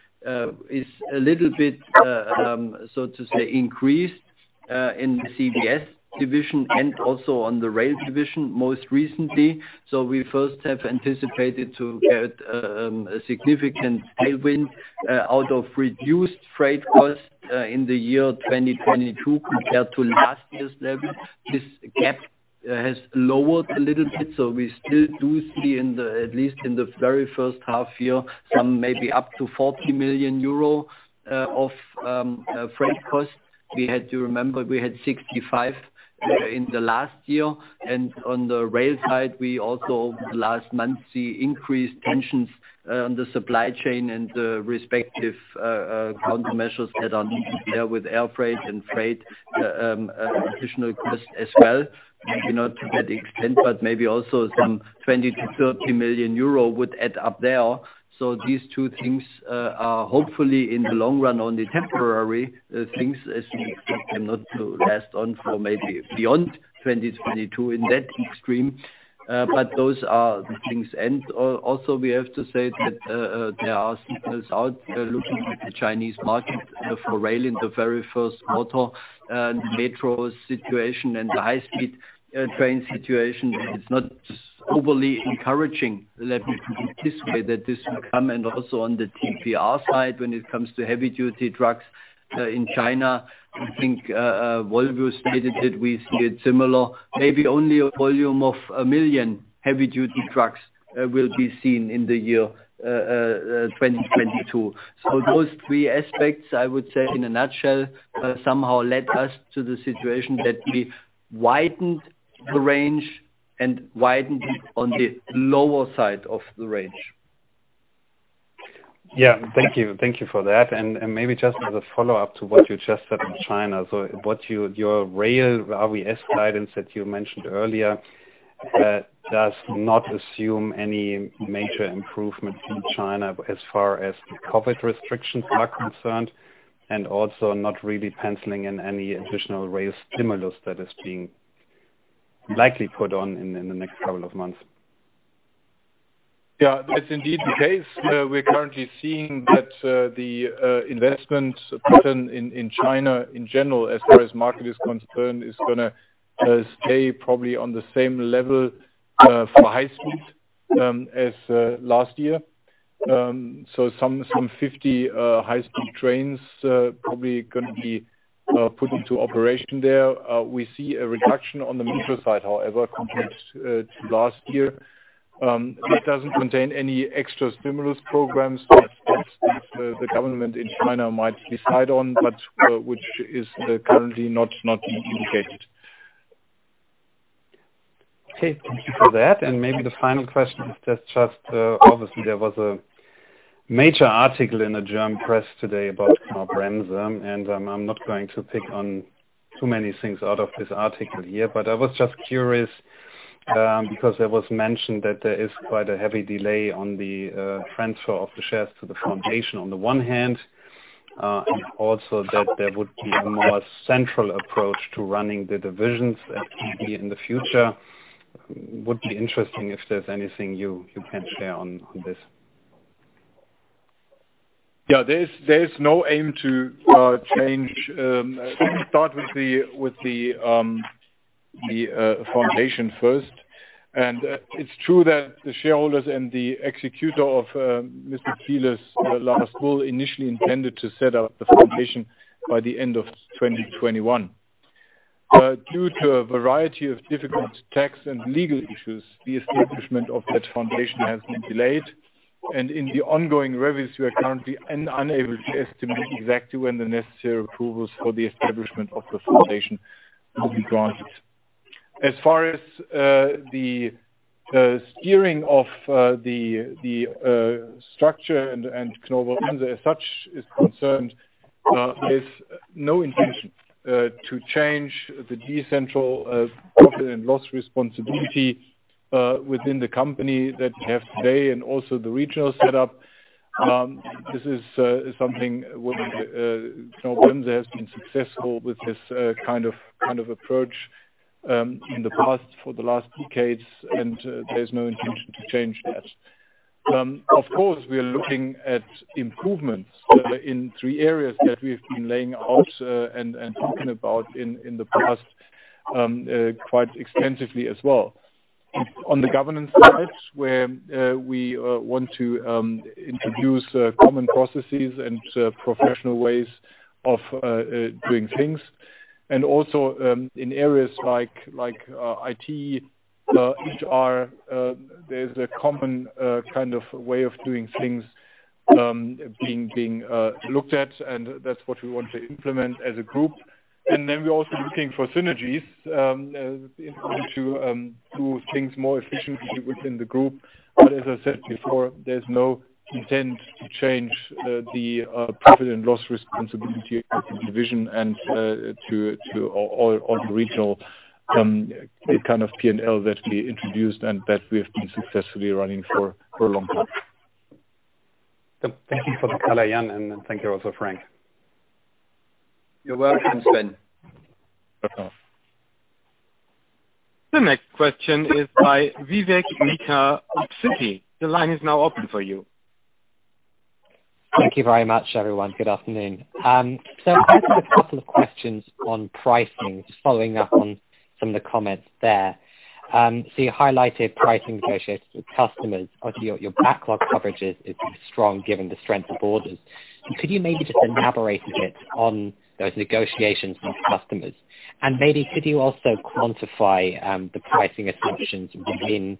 [SPEAKER 4] is a little bit so to say increased in the CVS division and also in the RVS division most recently. We first have anticipated to get a significant tailwind out of reduced freight costs in the year 2022 compared to last year's level. This gap has lowered a little bit, so we still do see at least in the very first half year some maybe up to 40 million euro of freight costs. We had to remember we had 65 million in the last year. On the rail side, we also last month saw increased tensions on the supply chain and the respective countermeasures that are there with air freight and freight, additional costs as well, maybe not to that extent, but maybe also some 20 million-30 million euro would add up there. These two things are hopefully in the long run only temporary things as we expect them not to last on for maybe beyond 2022 in that extreme. Those are the things. Also we have to say that there are signals out there looking at the Chinese market for rail in the very first quarter, the metro situation and the high speed train situation is not overly encouraging. Let me anticipate that this will come and also on the TPR side when it comes to heavy-duty trucks in China. I think, Volvo stated that we see it similar. Maybe only a volume of 1 million heavy-duty trucks will be seen in the year 2022. Those three aspects, I would say in a nutshell, somehow led us to the situation that we've widened the range and widened on the lower side of the range.
[SPEAKER 5] Yeah. Thank you. Thank you for that. Maybe just as a follow-up to what you just said on China. Your rail RVS guidance that you mentioned earlier does not assume any major improvements in China as far as the COVID restrictions are concerned, and also not really penciling in any additional rail stimulus that is being likely put on in the next couple of months.
[SPEAKER 3] Yeah, that's indeed the case. We're currently seeing that the investment pattern in China in general, as far as the market is concerned, is gonna stay probably on the same level for high-speed as last year. So some 50 high-speed trains probably gonna be put into operation there. We see a reduction on the metro side, however, compared to last year. That doesn't contain any extra stimulus programs that the government in China might decide on, but which is currently not indicated.
[SPEAKER 5] Okay, thank you for that. Maybe the final question is just obviously there was a major article in the German press today about Knorr-Bremse. I'm not going to pick on too many things out of this article here, but I was just curious, because it was mentioned that there is quite a heavy delay on the transfer of the shares to the foundation on the one hand, and also that there would be a more central approach to running the divisions, maybe in the future. It would be interesting if there's anything you can share on this.
[SPEAKER 3] There is no aim to change. Let me start with the foundation first. It's true that the shareholders and the executor of Mr Thiele's last will initially intended to set up the foundation by the end of 2021. Due to a variety of difficult tax and legal issues, the establishment of that foundation has been delayed, and in the ongoing reviews, we are currently unable to estimate exactly when the necessary approvals for the establishment of the foundation will be granted. As far as the steering of the structure and Knorr-Bremse as such is concerned, there's no intention to change the decentralized profit and loss responsibility within the company that we have today and also the regional set up. This is something where Knorr-Bremse has been successful with this kind of approach in the past for the last decades, and there's no intention to change that. Of course, we are looking at improvements in three areas that we've been laying out and talking about in the past quite extensively as well. On the governance side, where we want to introduce common processes and professional ways of doing things. Also, in areas like IT, HR, there's a common kind of way of doing things being looked at, and that's what we want to implement as a group. Then we're also looking for synergies in order to do things more efficiently within the group. As I said before, there's no intent to change the profit and loss responsibility at the division and to own regional kind of P&L that we introduced and that we have been successfully running for a long time.
[SPEAKER 5] Thank you for the color, Jan, and thank you also, Frank.
[SPEAKER 4] You're welcome, Sven.
[SPEAKER 1] The next question is by Vivek Midha of Citi. The line is now open for you.
[SPEAKER 6] Thank you very much, everyone. Good afternoon. I have a couple of questions on pricing, just following up on some of the comments there. You highlighted pricing negotiations with customers. Obviously, your backlog coverage is strong given the strength of orders. Could you maybe just elaborate a bit on those negotiations with customers? Maybe could you also quantify the pricing assumptions within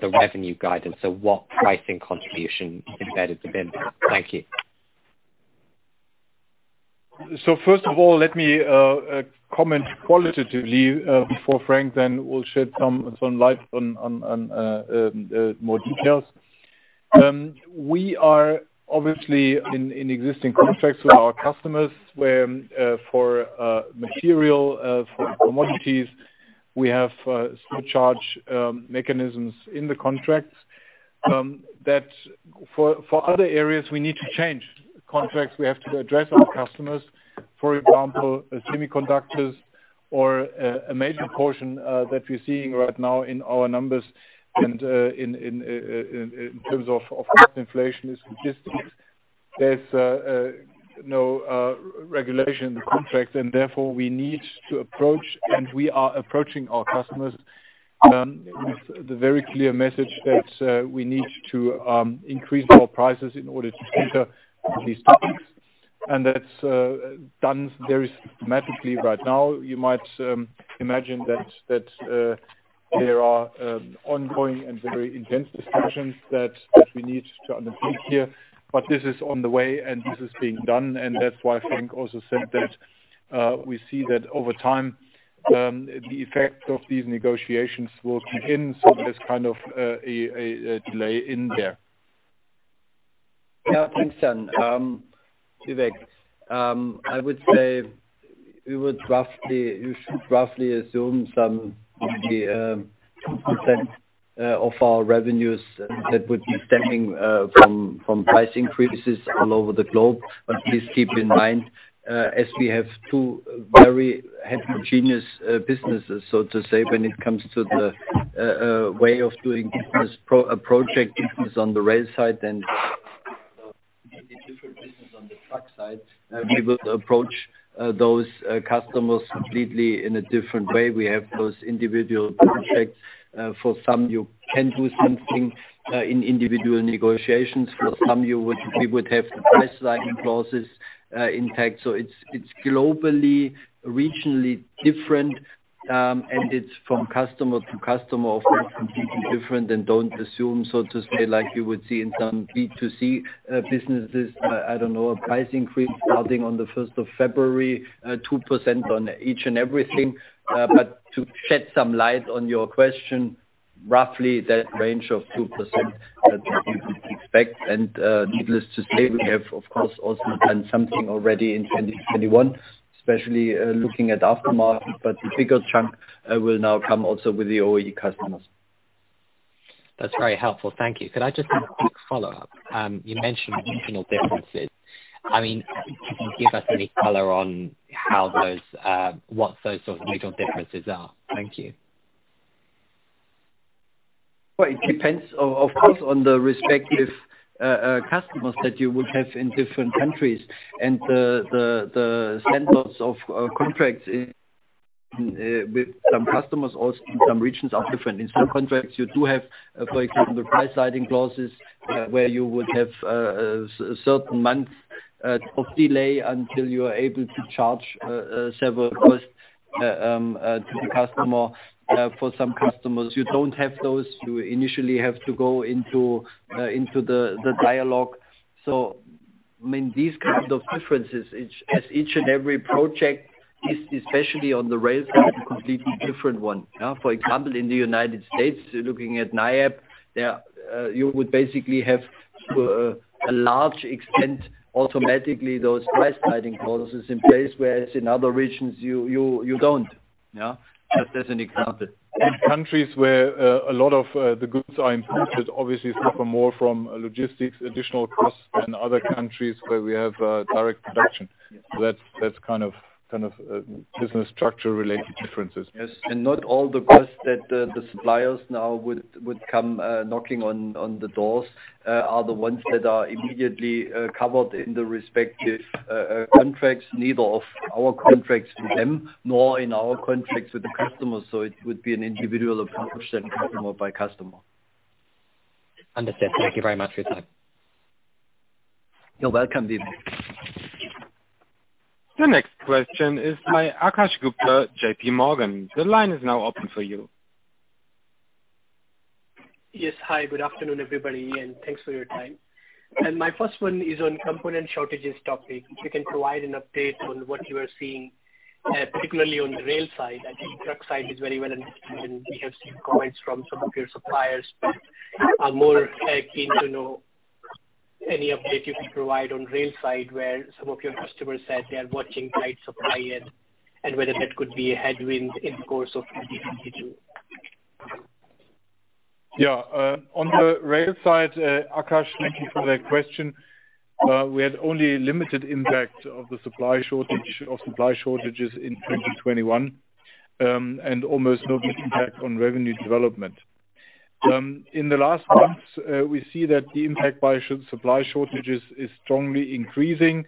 [SPEAKER 6] the revenue guidance? What pricing contribution is embedded within that? Thank you.
[SPEAKER 3] First of all, let me comment qualitatively before Frank then will shed some light on more details. We are obviously in existing contracts with our customers where for material for commodities we have surcharge mechanisms in the contracts that for other areas we need to change contracts. We have to address our customers, for example, semiconductors or a major portion that we're seeing right now in our numbers and in terms of cost inflation is logistics. There's no regulation in the contract, and therefore we need to approach and we are approaching our customers with the very clear message that we need to increase our prices in order to cover these topics. That's done very systematically right now. You might imagine that there are ongoing and very intense discussions that we need to undertake here. This is on the way, and this is being done. That's why Frank also said that we see that over time the effect of these negotiations will come in. There's kind of a delay in there.
[SPEAKER 4] Yeah. Thanks, Jan. Vivek, I would say you should roughly assume some percent of our revenues that would be stemming from pricing increases all over the globe. Please keep in mind as we have two very heterogeneous businesses, so to say, when it comes to the way of doing business. Project business on the rail side and a completely different business on the truck side, we would approach those customers completely in a different way. We have those individual contracts. For some, you can do something in individual negotiations. For some, we would have price rising clauses in place. It's globally, regionally different, and it's from customer to customer, often completely different and don't assume, so to say, like you would see in some D2C businesses. I don't know, a price increase starting on the first of February, 2% on each and everything. But to shed some light on your question, roughly that range of 2% that you would expect. Needless to say, we have, of course, also done something already in 2021, especially looking at aftermarket, but the bigger chunk will now come also with the OE customers.
[SPEAKER 6] That's very helpful. Thank you. Could I just have a quick follow-up? You mentioned regional differences. I mean, can you give us any color on what those sort of regional differences are? Thank you.
[SPEAKER 4] Well, it depends, of course, on the respective customers that you would have in different countries. The standards of contracts with some customers or some regions are different. In some contracts, you do have, for example, the price rising clauses, where you would have certain months of delay until you are able to charge several costs to the customer. For some customers, you don't have those. You initially have to go into the dialogue. I mean, these kinds of differences, as each and every project is especially on the rail side, a completely different one. Yeah. For example, in the United States, looking at NIAP, there, you would basically have a large extent automatically those price rising clauses in place, whereas in other regions, you don't. Yeah. Just as an example.
[SPEAKER 3] In countries where a lot of the goods are imported, obviously suffer more from logistics, additional costs than other countries where we have direct production. That's kind of business structure related differences.
[SPEAKER 4] Yes. Not all the costs that the suppliers now would come knocking on the doors are the ones that are immediately covered in the respective contracts, neither of our contracts with them nor in our contracts with the customers. It would be an individual approach then customer by customer.
[SPEAKER 6] Understood. Thank you very much for your time.
[SPEAKER 4] You're welcome, Viv.
[SPEAKER 1] The next question is by Akash Gupta, J.P. Morgan. The line is now open for you.
[SPEAKER 7] Yes. Hi, good afternoon, everybody, and thanks for your time. My first one is on component shortages topic. If you can provide an update on what you are seeing, particularly on the rail side. I think truck side is very well understood, and we have seen comments from some of your suppliers. I'm more keen to know any update you can provide on rail side, where some of your customers said they are watching tight supply end and whether that could be a headwind in the course of 2022.
[SPEAKER 3] Yeah, on the rail side, Akash, thank you for that question. We had only limited impact of supply shortages in 2021, and almost no impact on revenue development. In the last months, we see that the impact by supply shortages is strongly increasing.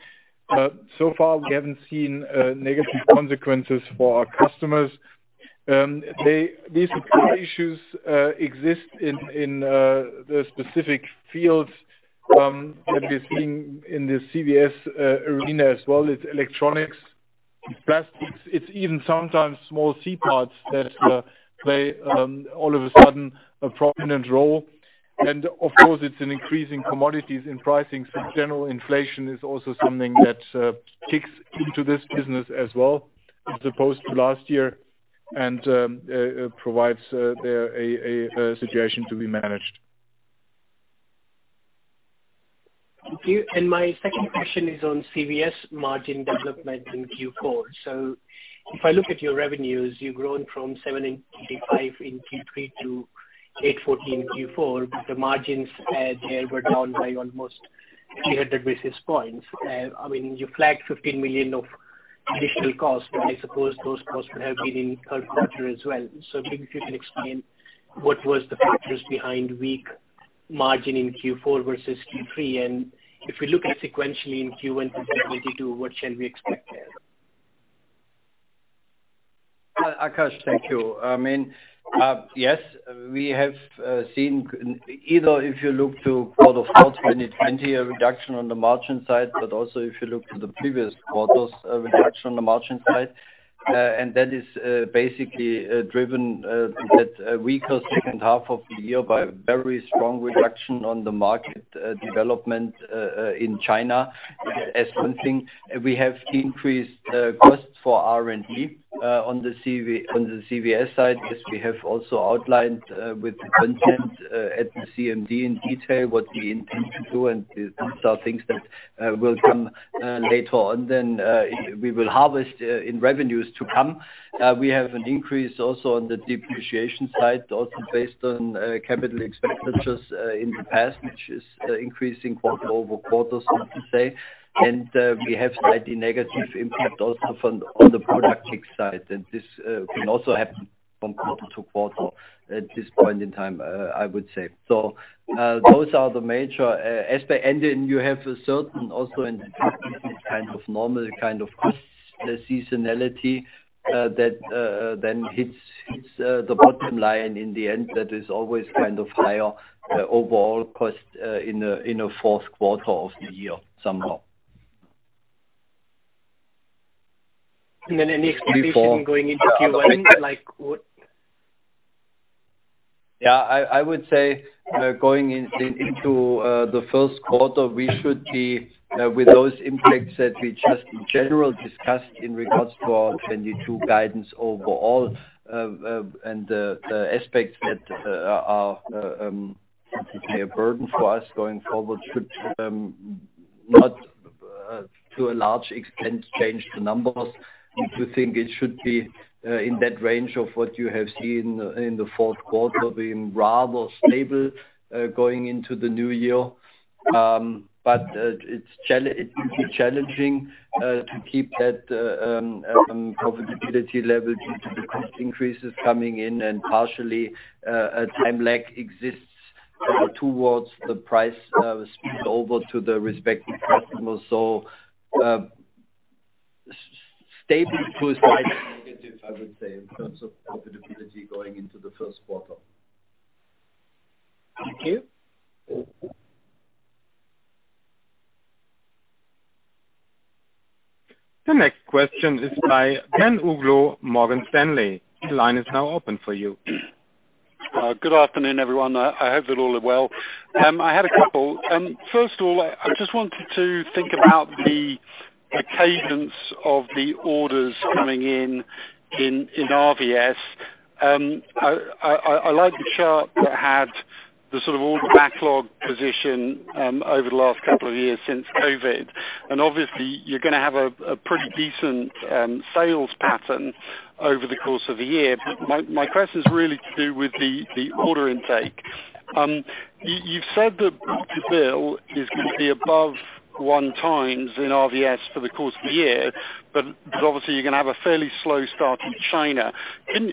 [SPEAKER 3] So far, we haven't seen negative consequences for our customers. These supply issues exist in the specific fields that we've seen in the CVS arena as well as electronics, plastics. It's even sometimes small C-parts that play all of a sudden a prominent role. Of course, it's an increasing commodities in pricing. General inflation is also something that kicks into this business as well as opposed to last year and provides there a situation to be managed.
[SPEAKER 7] Thank you. My second question is on CVS margin development in Q4. If I look at your revenues, you've grown from 785 million in Q3 to 814 million in Q4, but the margins there were down by almost 300 basis points. I mean, you flagged 15 million of additional costs, but I suppose those costs would have been in third quarter as well. Maybe if you can explain what was the factors behind weak margin in Q4 versus Q3. If we look at sequentially in Q1 2022, what shall we expect there?
[SPEAKER 4] Akash, thank you. I mean, yes, we have seen either if you look to Q4 2020, a reduction on the margin side, but also if you look to the previous quarters, a reduction on the margin side. That is basically driven by that weaker second half of the year by a very strong reduction in the market development in China as one thing. We have increased costs for R&D on the CV, on the CVS side. Yes, we have also outlined within the context at the CMD in detail what we intend to do, and these are things that will come later on. We will harvest in revenues to come. We have an increase also on the depreciation side, also based on capital expenditures in the past, which is increasing quarter-over-quarter, so to say. We have slightly negative impact also from the product mix side. This can also happen from quarte- to-quarter at this point in time, I would say. Those are the major aspects. Then you also have certain in this kind of normal cost seasonality, that then hits the bottom line in the end. That is always kind of higher overall cost in a fourth quarter of the year somehow.
[SPEAKER 7] Any expectation going into Q1, like what?
[SPEAKER 4] I would say going into the first quarter, we should be with those impacts that we just in general discussed in regards to our 2022 guidance overall. The aspects that are simply a burden for us going forward should not to a large extent change the numbers. We do think it should be in that range of what you have seen in the fourth quarter, being rather stable going into the new year. It will be challenging to keep that profitability level due to the cost increases coming in and partially a time lag exists towards the price pass-over to the respective customers. Stable to slightly negative, I would say, in terms of profitability going into the first quarter.
[SPEAKER 7] Thank you.
[SPEAKER 1] The next question is by Ben Uglow, Morgan Stanley. The line is now open for you.
[SPEAKER 8] Good afternoon, everyone. I hope you're all well. I had a couple. First of all, I just wanted to think about the cadence of the orders coming in in RVS. I liked the chart that had the sort of order backlog position over the last couple of years since COVID. Obviously, you're gonna have a pretty decent sales pattern over the course of the year. But my question is really to do with the order intake. You've said that your book-to-bill is gonna be above 1x in RVS for the course of the year, but obviously you're gonna have a fairly slow start in China. Do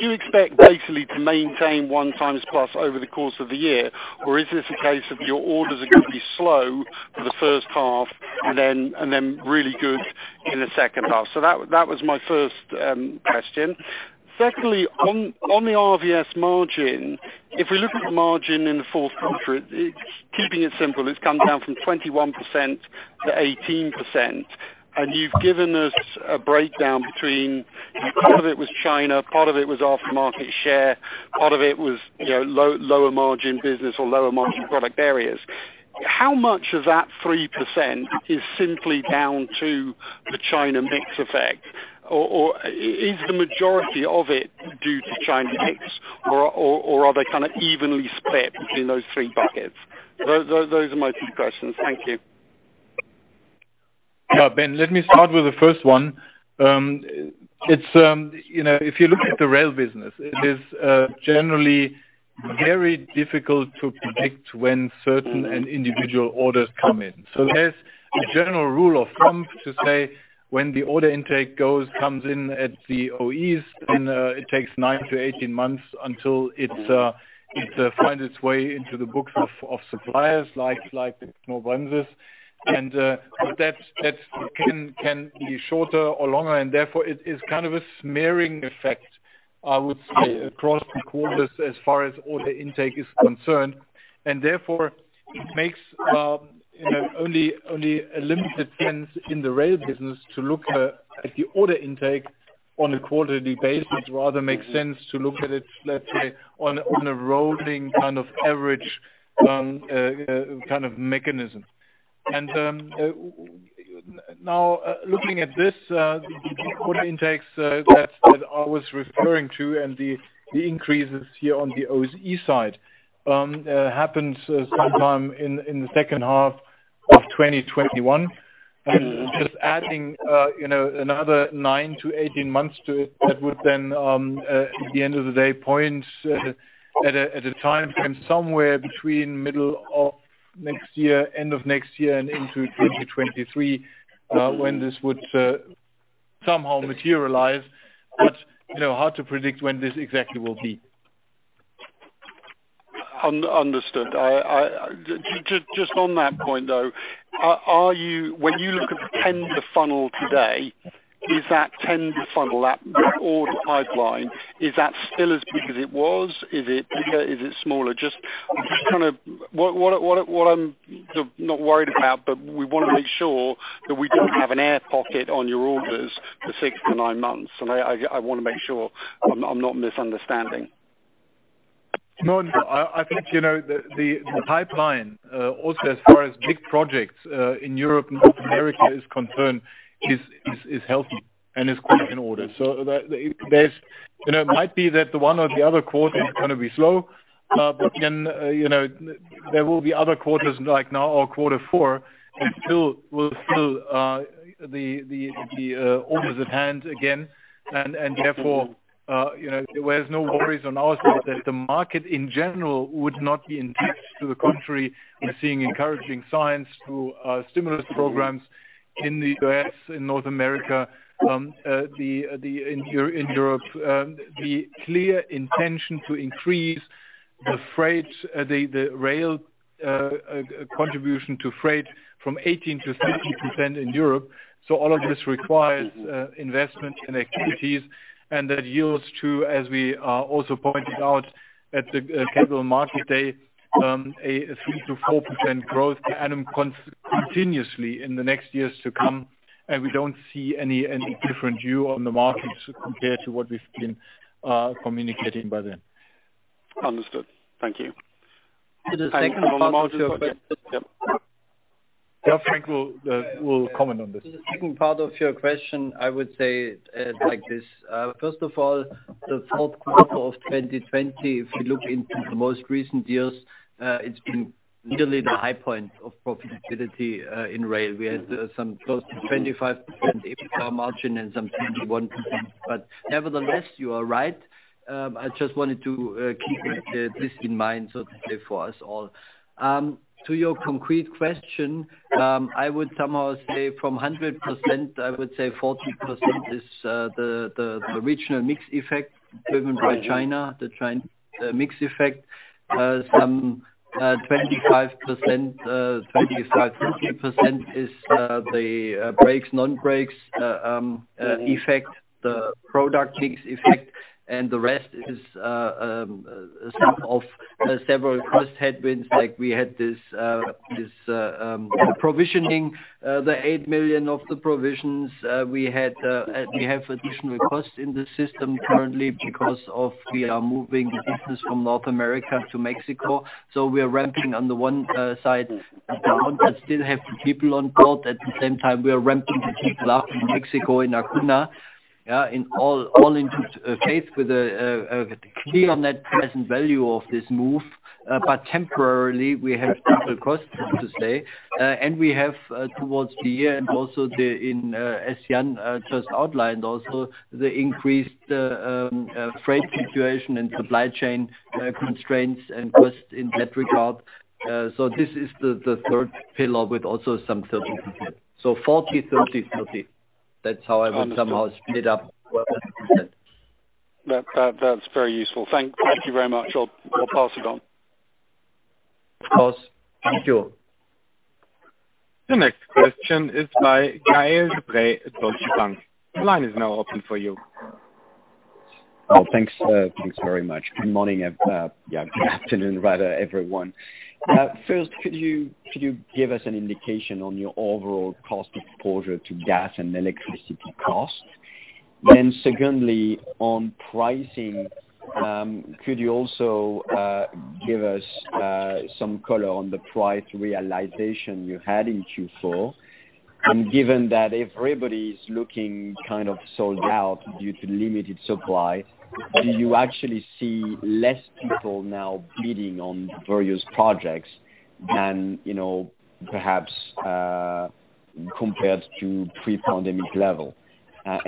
[SPEAKER 8] you expect basically to maintain 1x plus over the course of the year? Is this a case of your orders are gonna be slow for the first half and then really good in the second half? That was my first question. Secondly, on the RVS margin, if we look at the margin in the fourth quarter, it's keeping it simple, it's come down from 21% to 18%. You've given us a breakdown between part of it was China, part of it was aftermarket share, part of it was, you know, lower-margin business or lower-margin product areas. How much of that 3% is simply down to the China mix effect? Or is the majority of it due to China mix or are they kind of evenly split between those three buckets? Those are my two questions. Thank you.
[SPEAKER 3] Yeah, Ben, let me start with the first one. It's, you know, if you look at the rail business, it is generally very difficult to predict when certain and individual orders come in. There's a general rule of thumb to say when the order intake comes in at the OEs and it takes 9-18 months until it finds its way into the books of suppliers like Knorr-Bremse. That can be shorter or longer, and therefore it is kind of a smearing effect, I would say, across quarters as far as order intake is concerned. Therefore it makes, you know, only a limited sense in the rail business to look at the order intake on a quarterly basis. Rather makes sense to look at it, let's say, on a rolling kind of average kind of mechanism. Now looking at this order intakes that I was referring to and the increases here on the OE side happens sometime in the second half of 2021. Just adding you know another 9-18 months to it, that would then at the end of the day point at a time frame somewhere between middle of next year, end of next year and into 2023 when this would somehow materialize. You know hard to predict when this exactly will be.
[SPEAKER 8] Understood. Just on that point, though, when you look at the tender funnel today, is that tender funnel, that order pipeline, is that still as big as it was? Is it bigger? Is it smaller? Just, I'm just trying to what I'm not worried about, but we want to make sure that we don't have an air pocket on your orders for six to nine months. I want to make sure I'm not misunderstanding.
[SPEAKER 3] No, I think, you know, the pipeline also as far as big projects in Europe and North America is concerned is healthy and quite in order. You know, it might be that the one or the other quarter is gonna be slow, but then, you know, there will be other quarters like now or quarter four that still will fill the orders at hand again. Therefore, you know, there's no worries on our side that the market in general would not be intact to the contrary. We're seeing encouraging signs through stimulus programs in the U.S., in North America, in Europe. The clear intention to increase the rail contribution to freight from 18%-60% in Europe. All of this requires investment and activities, and that yields to, as we also pointed out at the Capital Market Day, a 3%-4% growth continuously in the next years to come. We don't see any different view on the markets compared to what we've been communicating by then.
[SPEAKER 8] Understood. Thank you.
[SPEAKER 3] Yeah, Frank will comment on this.
[SPEAKER 4] The second part of your question, I would say, like this. First of all, the fourth quarter of 2020, if you look into the most recent years, it's been really the high point of profitability in rail. We had some close to 25% EBITDA margin and some 21%. Nevertheless, you are right. I just wanted to keep this in mind, so to say for us all. To your concrete question, I would somehow say from 100%, I would say 40% is the regional mix effect driven by China, the mix effect. Some 25%, 50% is the brakes/non-brakes effect, the product mix effect and the rest is a sum of several cost headwinds like we had this provisioning, the 8 million of the provisions. We have additional costs in the system currently because we are moving the business from North America to Mexico. We are ramping down on one side, but still have the people on board. At the same time, we are ramping the people up in Mexico, in Acuña. Yeah, in all in good faith with a clear net present value of this move. Temporarily, we have double costs to say, and we have towards the end also as Jan just outlined also the increased freight situation and supply chain constraints and costs in that regard. This is the third pillar with also some 30%. So 40, 30, 30. That's how I would somehow split up.
[SPEAKER 8] That's very useful. Thank you very much. I'll pass it on.
[SPEAKER 4] Of course. Thank you.
[SPEAKER 1] The next question is by Gael de-Bray at Deutsche Bank. The line is now open for you.
[SPEAKER 9] Oh, thanks very much. Good afternoon rather, everyone. First, could you give us an indication on your overall cost exposure to gas and electricity costs? Secondly, on pricing, could you also give us some color on the price realization you had in Q4? Given that everybody's looking kind of sold out due to limited supply, do you actually see less people now bidding on various projects than, you know, perhaps compared to pre-pandemic level? Does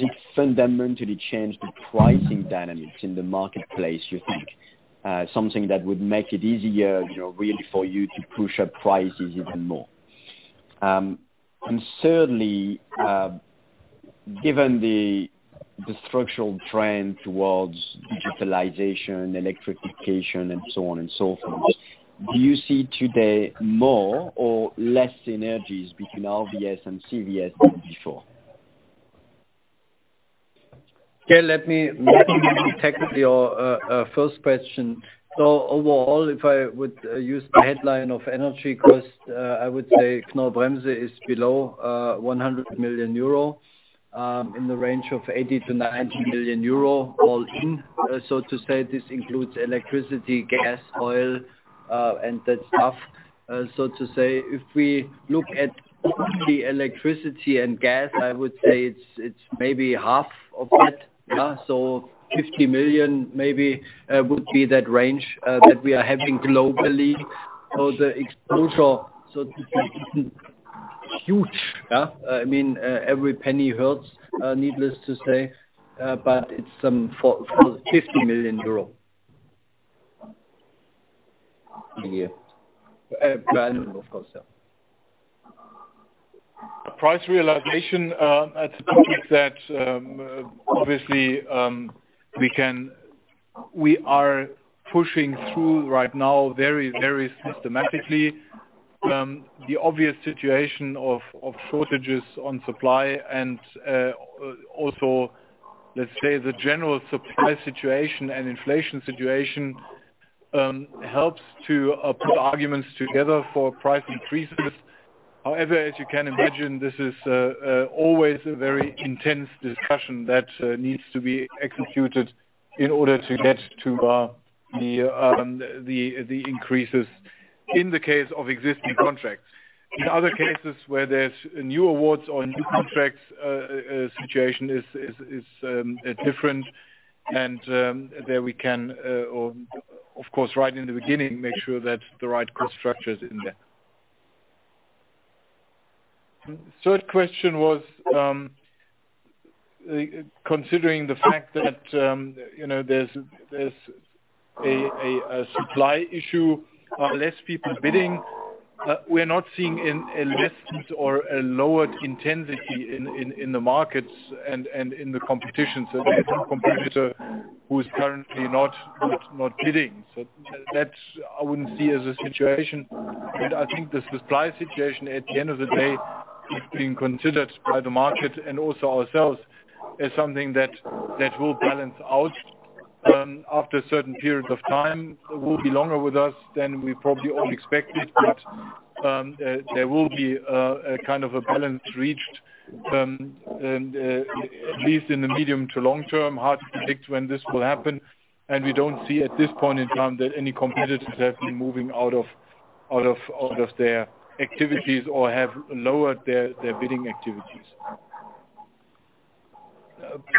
[SPEAKER 9] it fundamentally change the pricing dynamics in the marketplace, you think? Something that would make it easier, you know, really for you to push up prices even more. Thirdly, given the structural trend towards digitalization, electrification, and so on and so forth, do you see today more or less synergies between RVS and CVS than before?
[SPEAKER 4] Okay, let me take your first question. Overall, if I would use the headline of energy cost, I would say Knorr-Bremse is below 100 million euro in the range of 80 million-90 million euro all in. To say this includes electricity, gas, oil, and that stuff. To say, if we look at the electricity and gas, I would say it's maybe half of that. Yeah, 50 million maybe would be that range that we are having globally. The exposure, so to speak, isn't huge, yeah. I mean, every penny hurts, needless to say, but it's for EUR 50 million.
[SPEAKER 9] A year.
[SPEAKER 4] Annual, of course, yeah.
[SPEAKER 3] Price realization, that's a topic that obviously we are pushing through right now very, very systematically. The obvious situation of shortages on supply and also let's say the general supply situation and inflation situation helps to put arguments together for price increases. However, as you can imagine, this is always a very intense discussion that needs to be executed in order to get to the increases in the case of existing contracts. In other cases where there's new awards or new contracts, a situation is different and there we can or of course right in the beginning make sure that the right cost structure is in there. Third question was, considering the fact that, you know, there's a supply issue, are less people bidding? We're not seeing a lessened or a lowered intensity in the markets and in the competition. There's no competitor who's currently not bidding. That I wouldn't see as a situation. I think the supply situation, at the end of the day, is being considered by the market and also ourselves as something that will balance out after a certain period of time. It will be longer with us than we probably all expected. There will be a kind of a balance reached, at least in the medium to long term, hard to predict when this will happen. We don't see at this point in time that any competitors have been moving out of their activities or have lowered their bidding activities.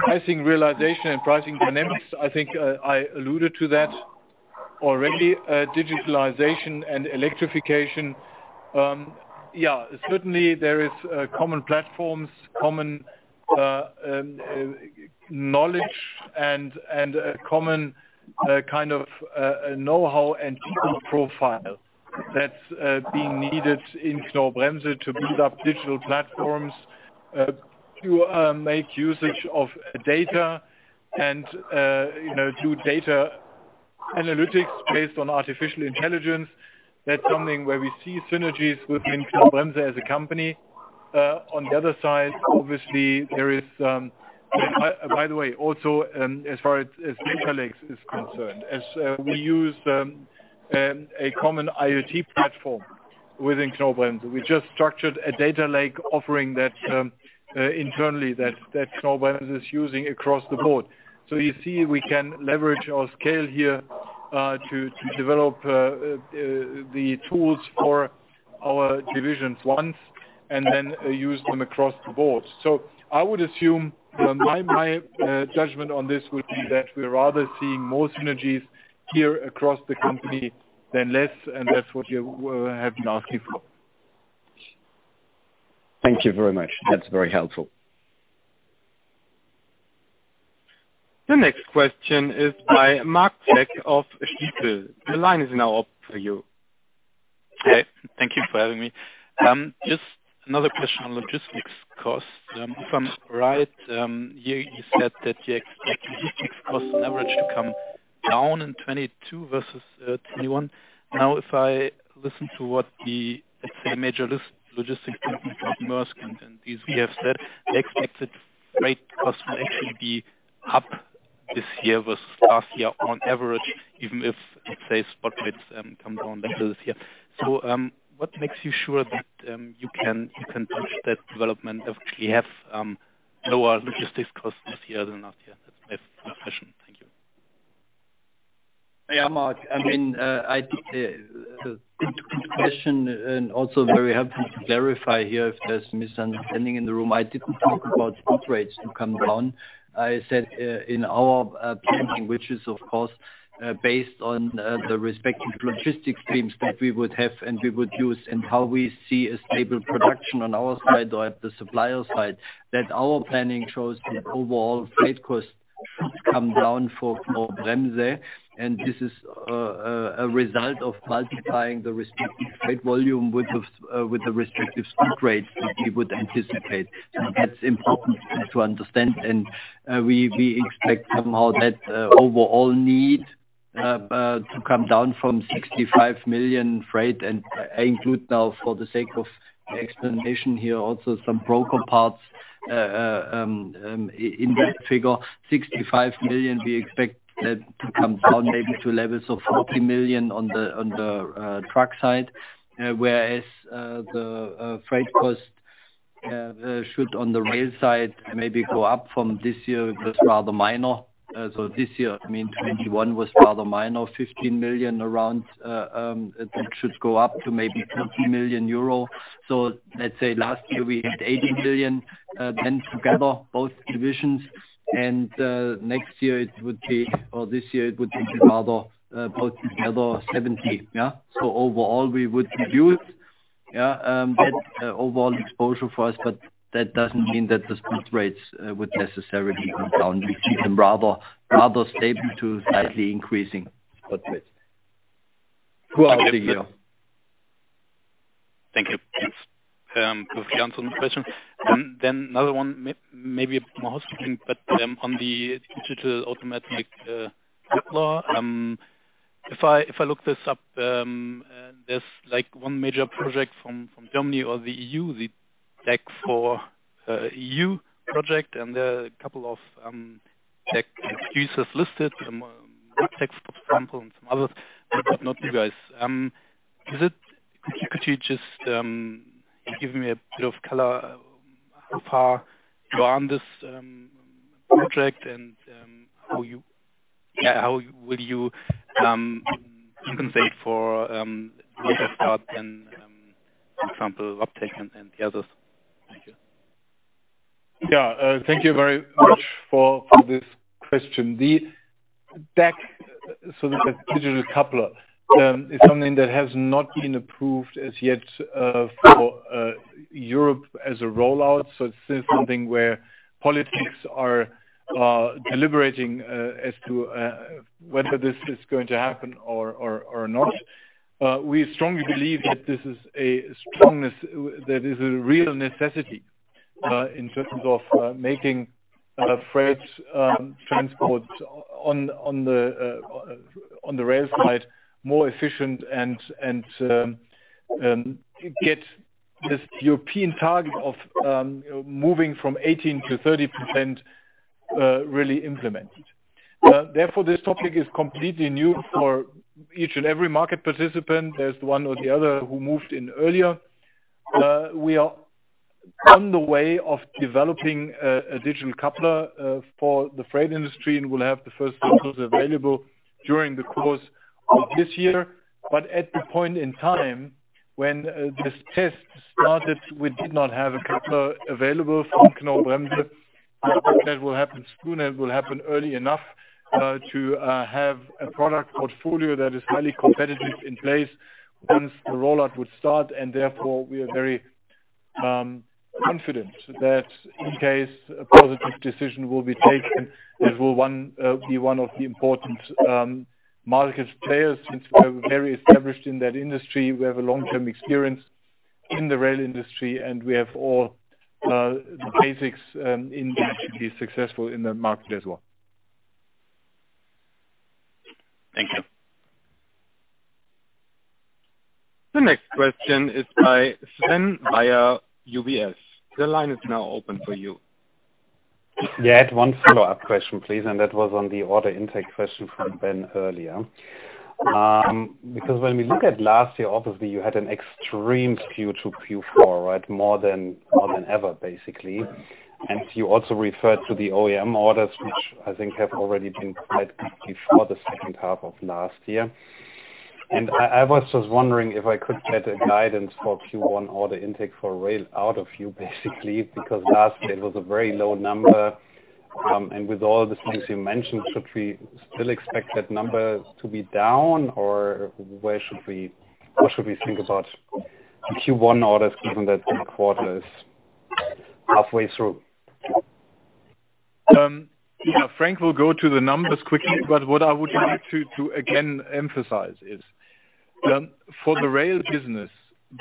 [SPEAKER 3] Pricing realization and pricing dynamics, I think I alluded to that already. Digitalization and electrification, certainly there is common platforms, common knowledge and a common kind of know-how and people profile that's being needed in Knorr-Bremse to build up digital platforms, to make usage of data and you know do data analytics based on artificial intelligence. That's something where we see synergies within Knorr-Bremse as a company. On the other side, obviously there is, by the way, also, as far as data lakes is concerned, as we use a common IoT platform within Knorr-Bremse. We just structured a data lake offering that internally Knorr-Bremse is using across the board. You see, we can leverage our scale here to develop the tools for our divisions once and then use them across the board. I would assume my judgment on this would be that we're rather seeing more synergies here across the company than less, and that's what you have been asking for.
[SPEAKER 9] Thank you very much. That's very helpful.
[SPEAKER 1] The next question is by Marc Zeck of Stifel. The line is now open for you.
[SPEAKER 10] Hey, thank you for having me. Just another question on logistics costs. If I'm right, you said that you expect logistics cost leverage to come down in 2022 versus 2021. Now, if I listen to what the major logistics companies like Maersk and others have said, they expected freight costs will actually be up this year with last year on average, even if, let's say, spot rates come down a little this year. What makes you sure that you can counter that development by having lower logistics costs this year than last year? That's my question. Thank you.
[SPEAKER 4] Yeah, Marc. I mean, good question, and also very happy to clarify here if there's misunderstanding in the room. I didn't talk about spot rates to come down. I said, in our planning, which is of course, based on the respective logistics streams that we would have and we would use and how we see a stable production on our side or at the supplier side, that our planning shows the overall freight costs come down for Bremse. This is a result of multiplying the respective freight volume with the respective spot rates that we would anticipate. That's important to understand. We expect somehow that overall need to come down from 65 million freight, and I include now for the sake of explanation here, also some brake parts in that figure. 65 million, we expect that to come down maybe to levels of 40 million on the truck side. Whereas the freight cost should on the rail side maybe go up from this year, but rather minor. This year, I mean, 2021 was rather minor, 15 million around, it should go up to maybe 30 million euro. Let's say last year we had 80 million, then together, both divisions and next year it would be, or this year it would be rather both together, 70 million. Yeah. Overall we would reduce, yeah, that overall exposure for us, but that doesn't mean that the spot rates would necessarily come down. We keep them rather stable to slightly increasing spot rates throughout the year.
[SPEAKER 10] Thank you. Quickly answer the question. Then another one maybe more speaking, but on the Digital Automatic Coupler, if I look this up, there's like one major project from Germany or the EU, the DAC4 EU project, and there are a couple of DAC users listed, some Siemens for example, and some others, but not you guys. Could you just give me a bit of color how far you are on this project and how will you compensate for later start than for example Voith and the others? Thank you.
[SPEAKER 3] Thank you very much for this question. The DAC, so the digital coupler, is something that has not been approved as yet for Europe as a rollout. It's still something where politics are deliberating as to whether this is going to happen or not. We strongly believe that this is a strength that is a real necessity in terms of making freight transport on the rail side more efficient and get this European target of moving from 18%-30% really implemented. Therefore, this topic is completely new for each and every market participant. There's one or the other who moved in earlier. We are on the way of developing a digital coupler for the freight industry, and we'll have the first couplers available during the course of this year. At the point in time when this test started, we did not have a coupler available from Knorr-Bremse. I hope that will happen sooner, it will happen early enough to have a product portfolio that is highly competitive in place once the rollout would start. Therefore, we are very confident that in case a positive decision will be taken, it will be one of the important market players, since we are very established in that industry, we have a long-term experience in the rail industry, and we have all the basics in there to be successful in the market as well.
[SPEAKER 10] Thank you.
[SPEAKER 1] The next question is by Sven Weier, UBS. The line is now open for you.
[SPEAKER 5] Yeah. I had one follow-up question, please, and that was on the order intake question from Ben earlier. Because when we look at last year, obviously, you had an extreme skew to Q4, right? More than ever, basically. You also referred to the OEM orders, which I think have already been quite good before the second half of last year. I was just wondering if I could get a guidance for Q1 order intake for rail out of you, basically, because last year it was a very low number. With all the things you mentioned, should we still expect that number to be down, or what should we think about Q1 orders, given that the quarter is halfway through?
[SPEAKER 3] Yeah, Frank will go to the numbers quickly, but what I would like to again emphasize is, for the rail business,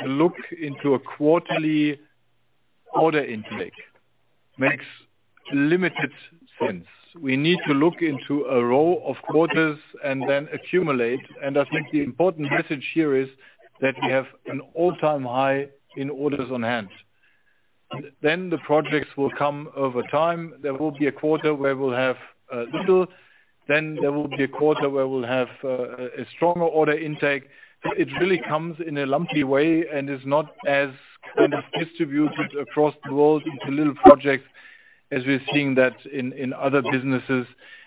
[SPEAKER 3] look into a quarterly order intake makes limited sense. We need to look into a row of quarters and then accumulate. I think the important message here is that we have an all-time high in orders on hand. The projects will come over time. There will be a quarter where we'll have little, then there will be a quarter where we'll have a stronger order intake. It really comes in a lumpy way and is not as kind of distributed across the world into little projects as we're seeing that in other businesses.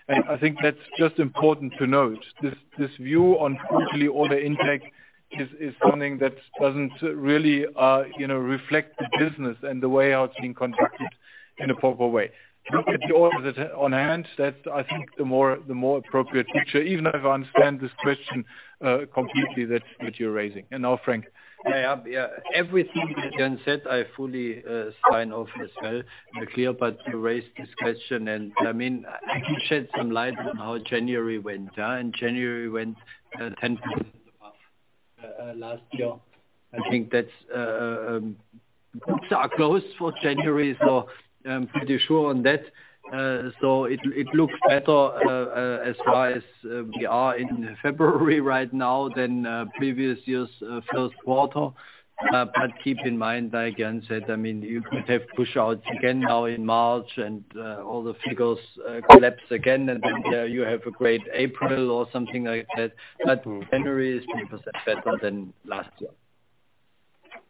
[SPEAKER 3] I think that's just important to note. This view on quarterly order intake is something that doesn't really, you know, reflect the business and the way how it's being conducted in a proper way. Look at the orders on hand. That's, I think, the more appropriate picture, even if I understand this question completely that you're raising. Now Frank.
[SPEAKER 4] Yeah. Everything that Jan said, I fully sign off as well. Clear. You raised this question, and I mean, I can shed some light on how January went on. January went 10% above last year. I think that's books are closed for January, so I'm pretty sure on that. So it looks better as far as we are in February right now than previous year's first quarter. But keep in mind, like Jan said, I mean, you could have pushouts again now in March and all the figures collapse again, and then you have a great April or something like that. January is 20% better than last year.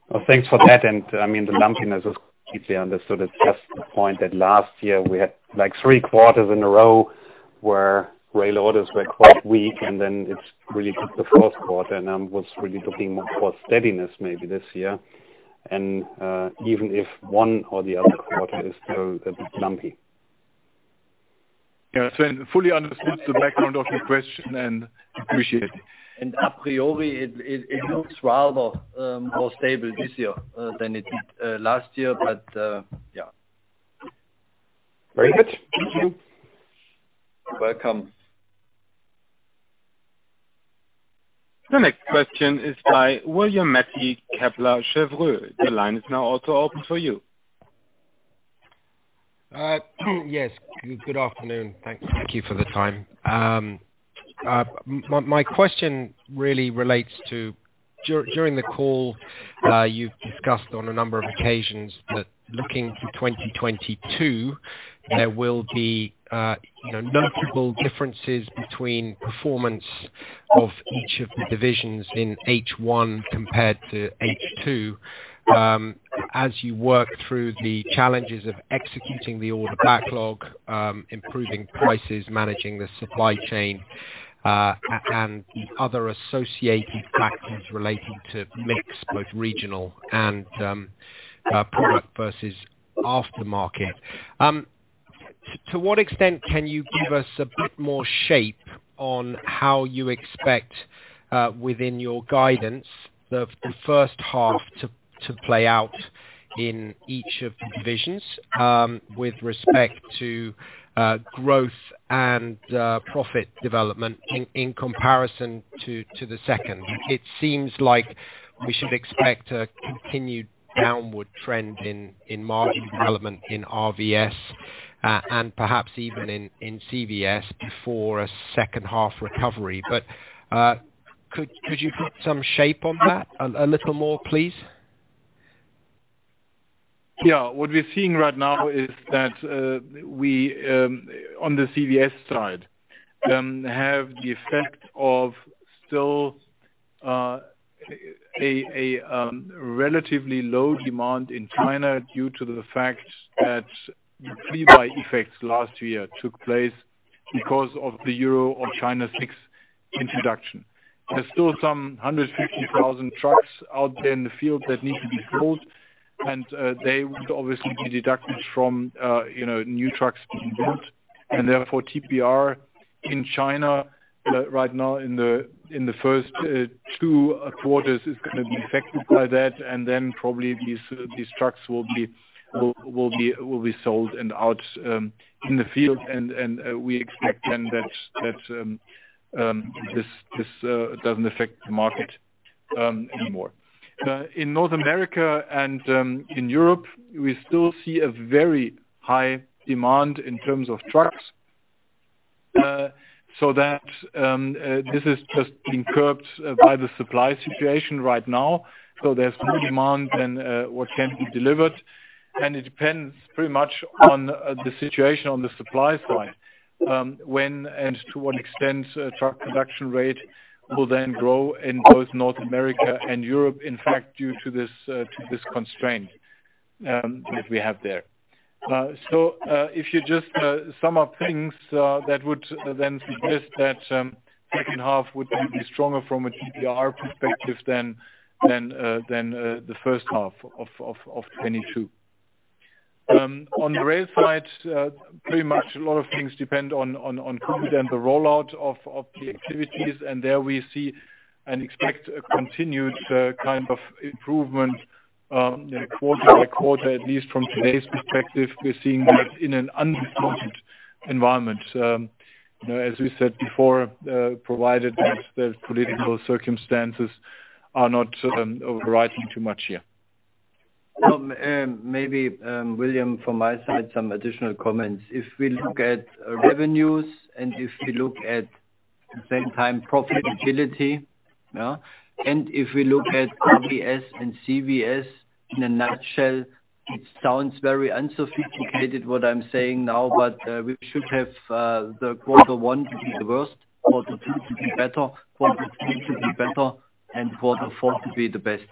[SPEAKER 5] Well, thanks for that. I mean, the lumpiness is deeply understood. It's just the point that last year we had, like, three quarters in a row where rail orders were quite weak, and then it's really the fourth quarter, and I was really looking more for steadiness maybe this year. Even if one or the other quarter is still a bit lumpy.
[SPEAKER 3] Yeah. Sven fully understands the background of your question and appreciate it.
[SPEAKER 4] A priori, it looks rather more stable this year than it did last year. But yeah.
[SPEAKER 5] Very good. Thank you.
[SPEAKER 4] You're welcome.
[SPEAKER 1] The next question is by William Mackie Kepler Cheuvreux. The line is now also open for you.
[SPEAKER 11] Yes, good afternoon. Thanks. Thank you for the time. My question really relates to during the call, you've discussed on a number of occasions that looking to 2022, there will be, you know, notable differences between performance of each of the divisions in H1 compared to H2. As you work through the challenges of executing the order backlog, improving prices, managing the supply chain, and the other associated factors relating to mix both regional and product versus aftermarket. To what extent can you give us a bit more shape on how you expect, within your guidance, the first half to play out in each of the divisions, with respect to growth and profit development in comparison to the second? It seems like we should expect a continued downward trend in margin development in RVS and perhaps even in CVS before a second half recovery. Could you put some shape on that a little more, please?
[SPEAKER 3] Yeah. What we're seeing right now is that we on the CVS side have the effect of still a relatively low demand in China due to the fact that the pre-buy effects last year took place because of the Euro or China VI's introduction. There's still some 150,000 trucks out there in the field that need to be sold, and they would obviously be deducted from you know new trucks being built. Therefore, TPR in China right now in the first 2 quarters is gonna be affected by that. Then probably these trucks will be sold and out in the field. We expect then that this doesn't affect the market anymore. In North America and in Europe, we still see a very high demand in terms of trucks. So that this is just being curbed by the supply situation right now. There's more demand than what can be delivered, and it depends pretty much on the situation on the supply side, when and to what extent truck production rate will then grow in both North America and Europe, in fact, due to this constraint that we have there. If you just sum up things, that would then suggest that second half would probably be stronger from a TPR perspective than the first half of 2022. On the rail side, pretty much a lot of things depend on COVID and the rollout of the activities. There we see and expect a continued kind of improvement, you know, quarter by quarter, at least from today's perspective. We're seeing that in an unconstrained environment. You know, as we said before, provided that the political circumstances are not overriding too much here.
[SPEAKER 4] Maybe William, from my side, some additional comments. If we look at revenues and if we look at the same time profitability, yeah, and if we look at RVS and CVS in a nutshell, it sounds very unsophisticated what I'm saying now, but we should have the quarter one to be the worst, quarter two to be better, quarter three to be better, and quarter four to be the best.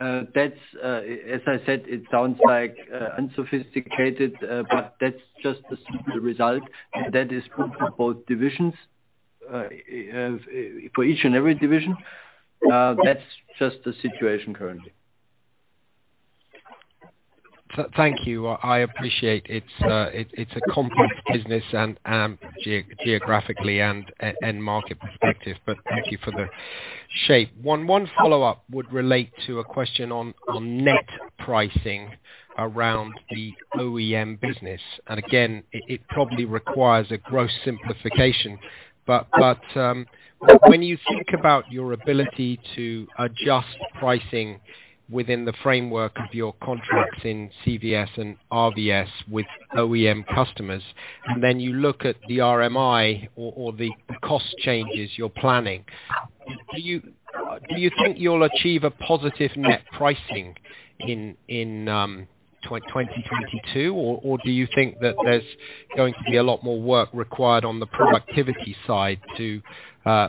[SPEAKER 4] That's as I said, it sounds like unsophisticated, but that's just the simple result. That is true for both divisions. For each and every division. That's just the situation currently.
[SPEAKER 11] Thank you. I appreciate it's a complex business and geographically and at end market perspective, but thank you for the shape. One follow-up would relate to a question on net pricing around the OEM business. Again, it probably requires a gross simplification. But when you think about your ability to adjust pricing within the framework of your contracts in CVS and RVS with OEM customers, and then you look at the RMI or the cost changes you're planning, do you think you'll achieve a positive net pricing in 2022? Or do you think that there's going to be a lot more work required on the productivity side to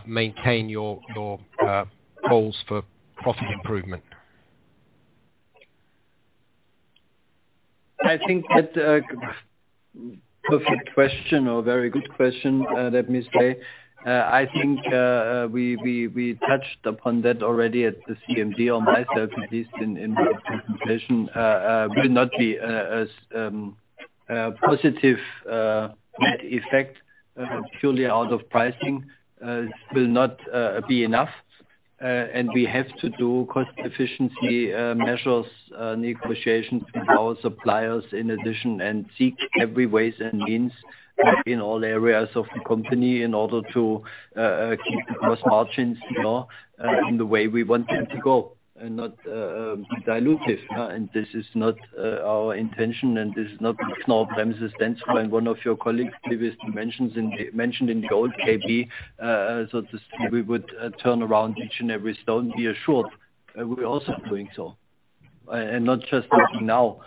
[SPEAKER 11] maintain your goals for profit improvement?
[SPEAKER 4] I think that perfect question or very good question, let me say. I think we touched upon that already at the CMD on my side, at least in the presentation. Will not be as positive net effect purely out of pricing will not be enough. We have to do cost efficiency measures, negotiations with our suppliers in addition and seek every ways and means in all areas of the company in order to keep the gross margins low in the way we want them to go and not be dilutive, yeah. This is not our intention, and this is not on small premises then. One of your colleagues previously mentioned the goal of KB. We would turn over each and every stone, be assured. We are also doing so and not just looking now,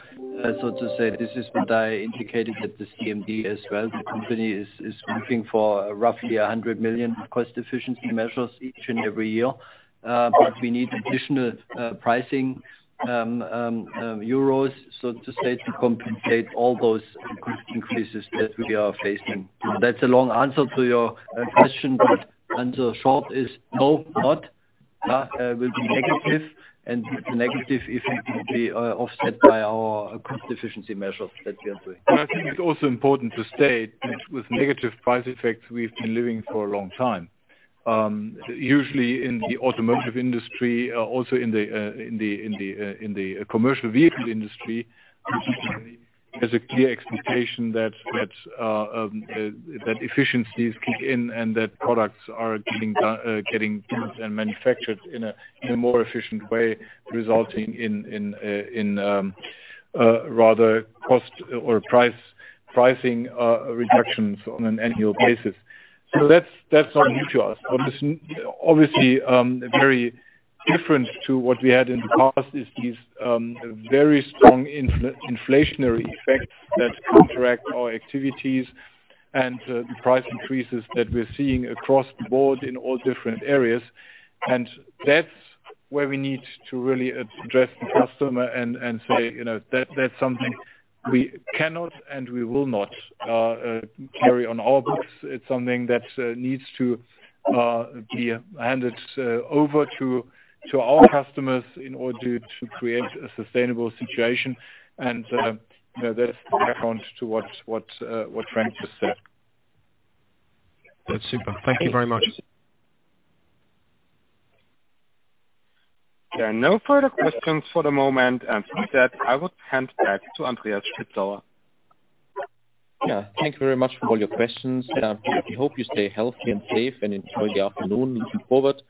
[SPEAKER 4] so to say. This is what I indicated at the CMD as well. The company is looking for roughly 100 million cost efficiency measures each and every year. But we need additional pricing euros, so to say, to compensate all those cost increases that we are facing. That's a long answer to your question, but the short answer is no. It will be negative, and the negative effect will be offset by our cost efficiency measures that we are doing.
[SPEAKER 3] I think it's also important to state with negative price effects we've been living for a long time. Usually in the automotive industry, also in the commercial vehicle industry, there's a clear expectation that efficiencies kick in and that products are getting built and manufactured in a more efficient way, resulting in rather cost or price pricing reductions on an annual basis. That's not new to us. Obviously, very different to what we had in the past is these very strong inflationary effects that contract our activities and the price increases that we're seeing across the board in all different areas. That's where we need to really address the customer and say, you know, that's something we cannot and we will not carry on our books. It's something that needs to be handed over to our customers in order to create a sustainable situation. You know, that accounts for what Frank just said.
[SPEAKER 11] That's super. Thank you very much.
[SPEAKER 1] There are no further questions for the moment. With that, I would hand back to Andreas Spitzauer.
[SPEAKER 2] Yeah. Thank you very much for all your questions. We hope you stay healthy and safe and enjoy the afternoon looking forward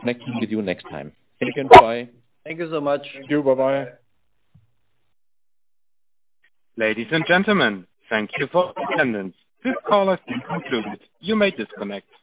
[SPEAKER 2] connecting with you next time. Thank you and bye.
[SPEAKER 4] Thank you so much.
[SPEAKER 3] Thank you. Bye-bye.
[SPEAKER 1] Ladies and gentlemen, thank you for attendance. This call has been concluded. You may disconnect.